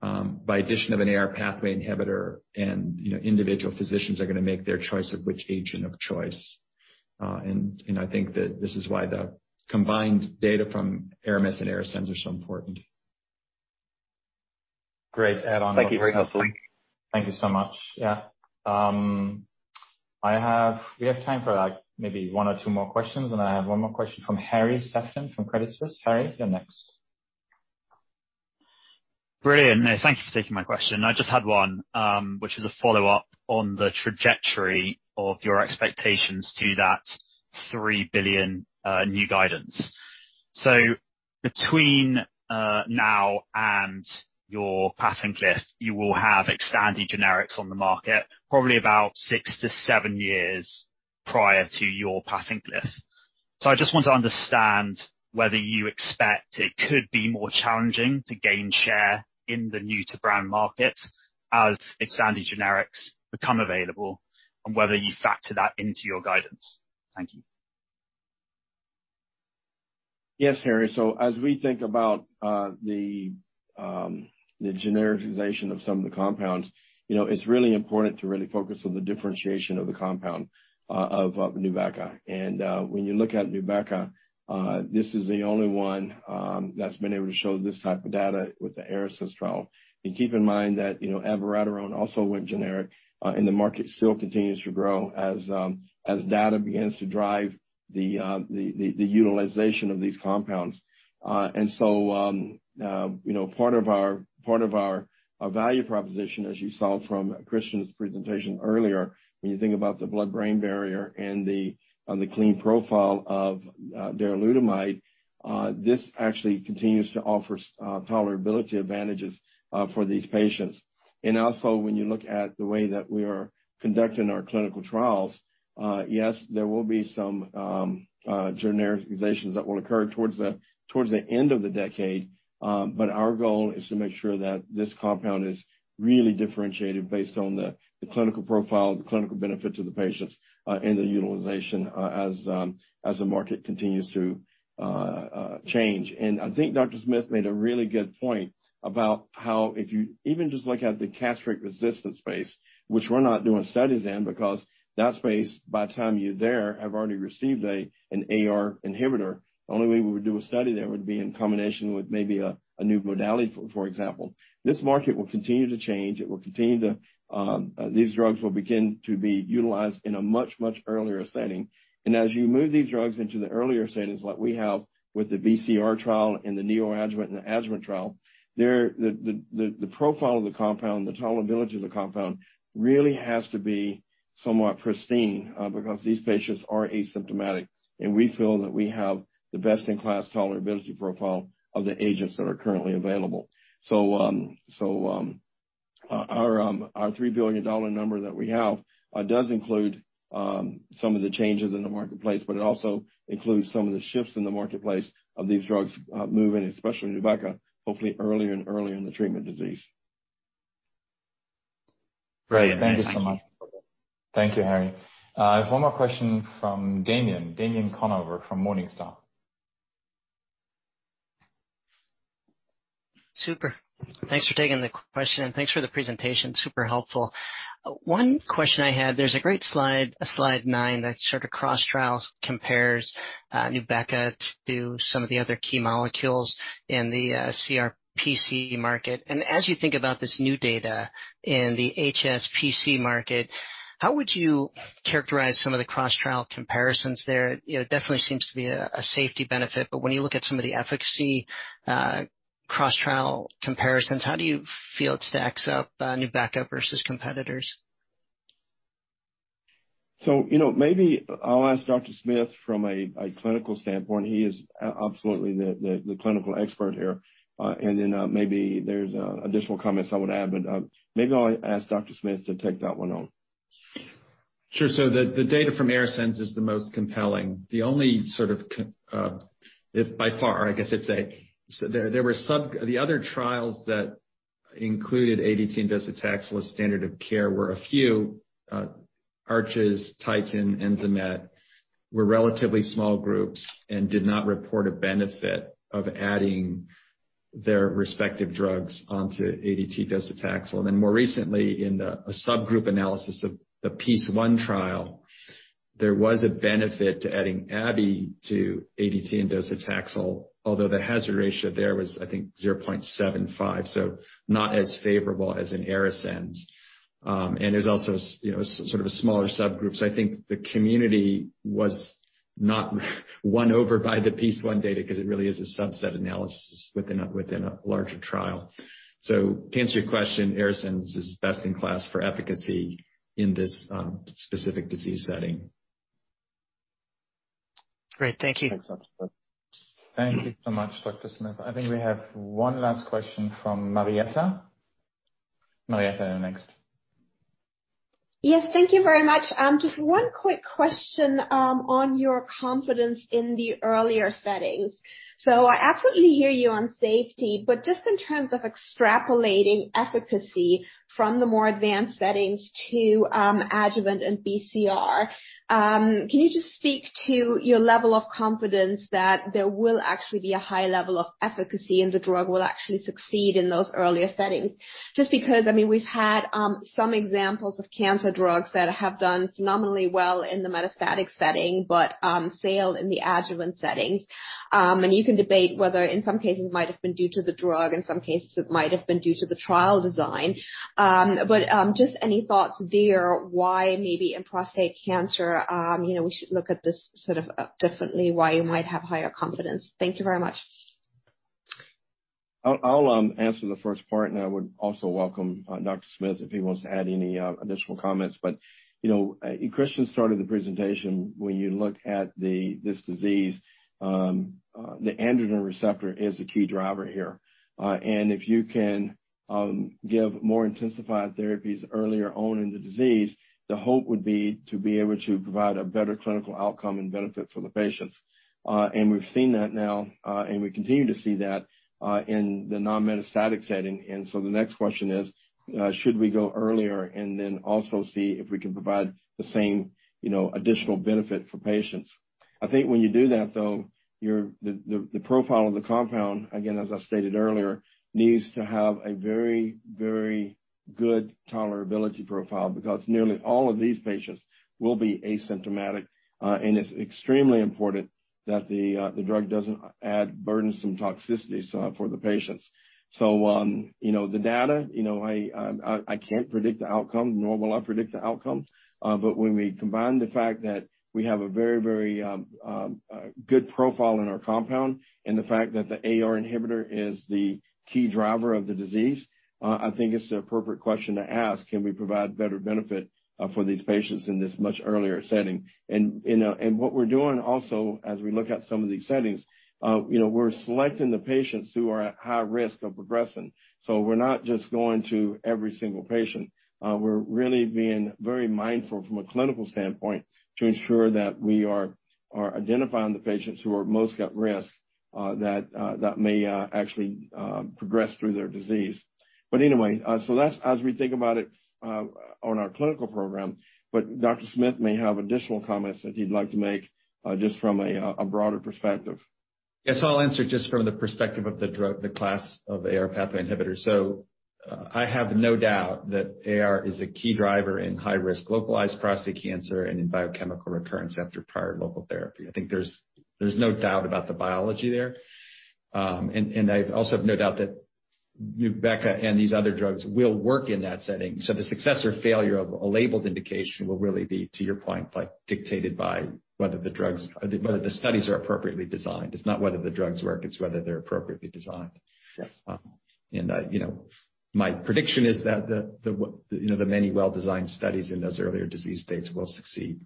by addition of an AR pathway inhibitor. You know, individual physicians are gonna make their choice of which agent of choice. You know, I think that this is why the combined data from ARAMIS and ARASENS are so important. Great add on. Thank you. Very helpful. Thank you so much. Yeah. We have time for, like, maybe one or two more questions, and I have one more question from Harry Sephton from Credit Suisse. Harry, you're next. Brilliant. No, thank you for taking my question. I just had one, which is a follow-up on the trajectory of your expectations to that $3 billion new guidance. Between now and your patent cliff, you will have expanded generics on the market probably about six to seven years prior to your patent cliff. I just want to understand whether you expect it could be more challenging to gain share in the new to brand market as expanded generics become available and whether you factor that into your guidance. Thank you. Yes, Harry. As we think about the genericization of some of the compounds, you know, it's really important to focus on the differentiation of the compound of Nubeqa. When you look at Nubeqa, this is the only one that's been able to show this type of data with the ARASENS trial. Keep in mind that, you know, abiraterone also went generic, and the market still continues to grow as data begins to drive the utilization of these compounds. You know, part of our value proposition, as you saw from Christian's presentation earlier, when you think about the blood-brain barrier and the clean profile of darolutamide, this actually continues to offer tolerability advantages for these patients. Also, when you look at the way that we are conducting our clinical trials, yes, there will be some genericizations that will occur towards the end of the decade. But our goal is to make sure that this compound is really differentiated based on the clinical profile, the clinical benefit to the patients, and the utilization as the market continues to change. I think Dr. Smith made a really good point about how if you even just look at the castrate-resistant space, which we're not doing studies in because that space by the time you're there, have already received an AR inhibitor. The only way we would do a study there would be in combination with maybe a new modality, for example. This market will continue to change. It will continue to these drugs will begin to be utilized in a much earlier setting. As you move these drugs into the earlier settings like we have with the BCR trial and the neoadjuvant and adjuvant trial, the profile of the compound, the tolerability of the compound really has to be somewhat pristine because these patients are asymptomatic, and we feel that we have the best-in-class tolerability profile of the agents that are currently available. Our $3 billion number that we have does include some of the changes in the marketplace, but it also includes some of the shifts in the marketplace of these drugs moving especially Nubeqa, hopefully earlier and earlier in the treatment disease. Great. Thank you so much. Thank you, Harry. One more question from Damien Conover from Morningstar. Super. Thanks for taking the question and thanks for the presentation. Super helpful. One question I had, there's a great slide nine that sort of cross trials compares, Nubeqa to some of the other key molecules in the, CRPC market. As you think about this new data in the HSPC market, how would you characterize some of the cross trial comparisons there? You know, it definitely seems to be a safety benefit, but when you look at some of the efficacy, cross-trial comparisons, how do you feel it stacks up, Nubeqa versus competitors? You know, maybe I'll ask Dr. Smith from a clinical standpoint. He is absolutely the clinical expert here. Maybe there's additional comments I would add, but maybe I'll ask Dr. Smith to take that one on. Sure. The data from ARASENS is the most compelling. The other trials that included ADT and docetaxel as standard of care were a few, ARCHES, TITAN, ENZAMET, were relatively small groups and did not report a benefit of adding their respective drugs onto ADT docetaxel. Then more recently in a subgroup analysis of the PEACE-1 trial, there was a benefit to adding Abi to ADT and docetaxel, although the hazard ratio there was, I think, 0.75, so not as favorable as in ARASENS. There's also you know, sort of smaller subgroups. I think the community was not won over by the PEACE-1 data because it really is a subset analysis within a larger trial. To answer your question, ARASENS is best in class for efficacy in this specific disease setting. Great. Thank you. Thank you so much, Dr. Smith. I think we have one last question from Marietta. Marietta, you're next. Yes, thank you very much. Just one quick question, on your confidence in the earlier settings. I absolutely hear you on safety, but just in terms of extrapolating efficacy from the more advanced settings to, adjuvant and BCR, can you just speak to your level of confidence that there will actually be a high level of efficacy and the drug will actually succeed in those earlier settings? Just because, I mean, we've had, some examples of cancer drugs that have done phenomenally well in the metastatic setting, but, failed in the adjuvant settings. You can debate whether in some cases it might have been due to the drug, in some cases it might have been due to the trial design. Just any thoughts there why maybe in prostate cancer, you know, we should look at this sort of differently, why you might have higher confidence? Thank you very much. I'll answer the first part, and I would also welcome Dr. Smith if he wants to add any additional comments. You know, Christian started the presentation, this disease, the androgen receptor is the key driver here. If you can give more intensified therapies earlier on in the disease, the hope would be to be able to provide a better clinical outcome and benefit for the patients. We've seen that now, and we continue to see that in the non-metastatic setting. The next question is, should we go earlier and then also see if we can provide the same, you know, additional benefit for patients? I think when you do that, though, the profile of the compound, again, as I stated earlier, needs to have a very good tolerability profile because nearly all of these patients will be asymptomatic, and it's extremely important that the drug doesn't add burdensome toxicities for the patients. You know, the data, you know, I can't predict the outcome, nor will I predict the outcome. When we combine the fact that we have a very good profile in our compound and the fact that the AR inhibitor is the key driver of the disease, I think it's an appropriate question to ask, can we provide better benefit for these patients in this much earlier setting? You know, and what we're doing also, as we look at some of these settings, you know, we're selecting the patients who are at high risk of progressing. We're not just going to every single patient. We're really being very mindful from a clinical standpoint to ensure that we are identifying the patients who are most at risk, that may actually progress through their disease. Anyway, so that's as we think about it, on our clinical program. Dr. Smith may have additional comments that he'd like to make, just from a broader perspective. Yes, I'll answer just from the perspective of the drug, the class of AR pathway inhibitors. I have no doubt that AR is a key driver in high-risk localized prostate cancer and in biochemical recurrence after prior local therapy. I think there's no doubt about the biology there. I also have no doubt that Nubeqa and these other drugs will work in that setting. The success or failure of a labeled indication will really be, to your point, like, dictated by whether the studies are appropriately designed. It's not whether the drugs work, it's whether they're appropriately designed. Sure. You know, my prediction is that the you know, the many well-designed studies in those earlier disease states will succeed.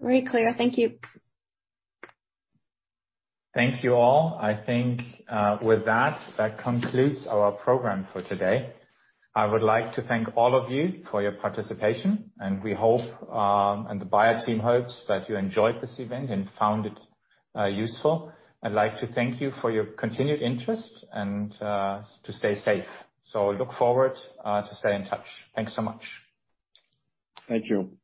Very clear. Thank you. Thank you all. I think with that concludes our program for today. I would like to thank all of you for your participation, and the Bayer team hopes that you enjoyed this event and found it useful. I'd like to thank you for your continued interest and stay safe. I look forward to staying in touch. Thanks so much. Thank you.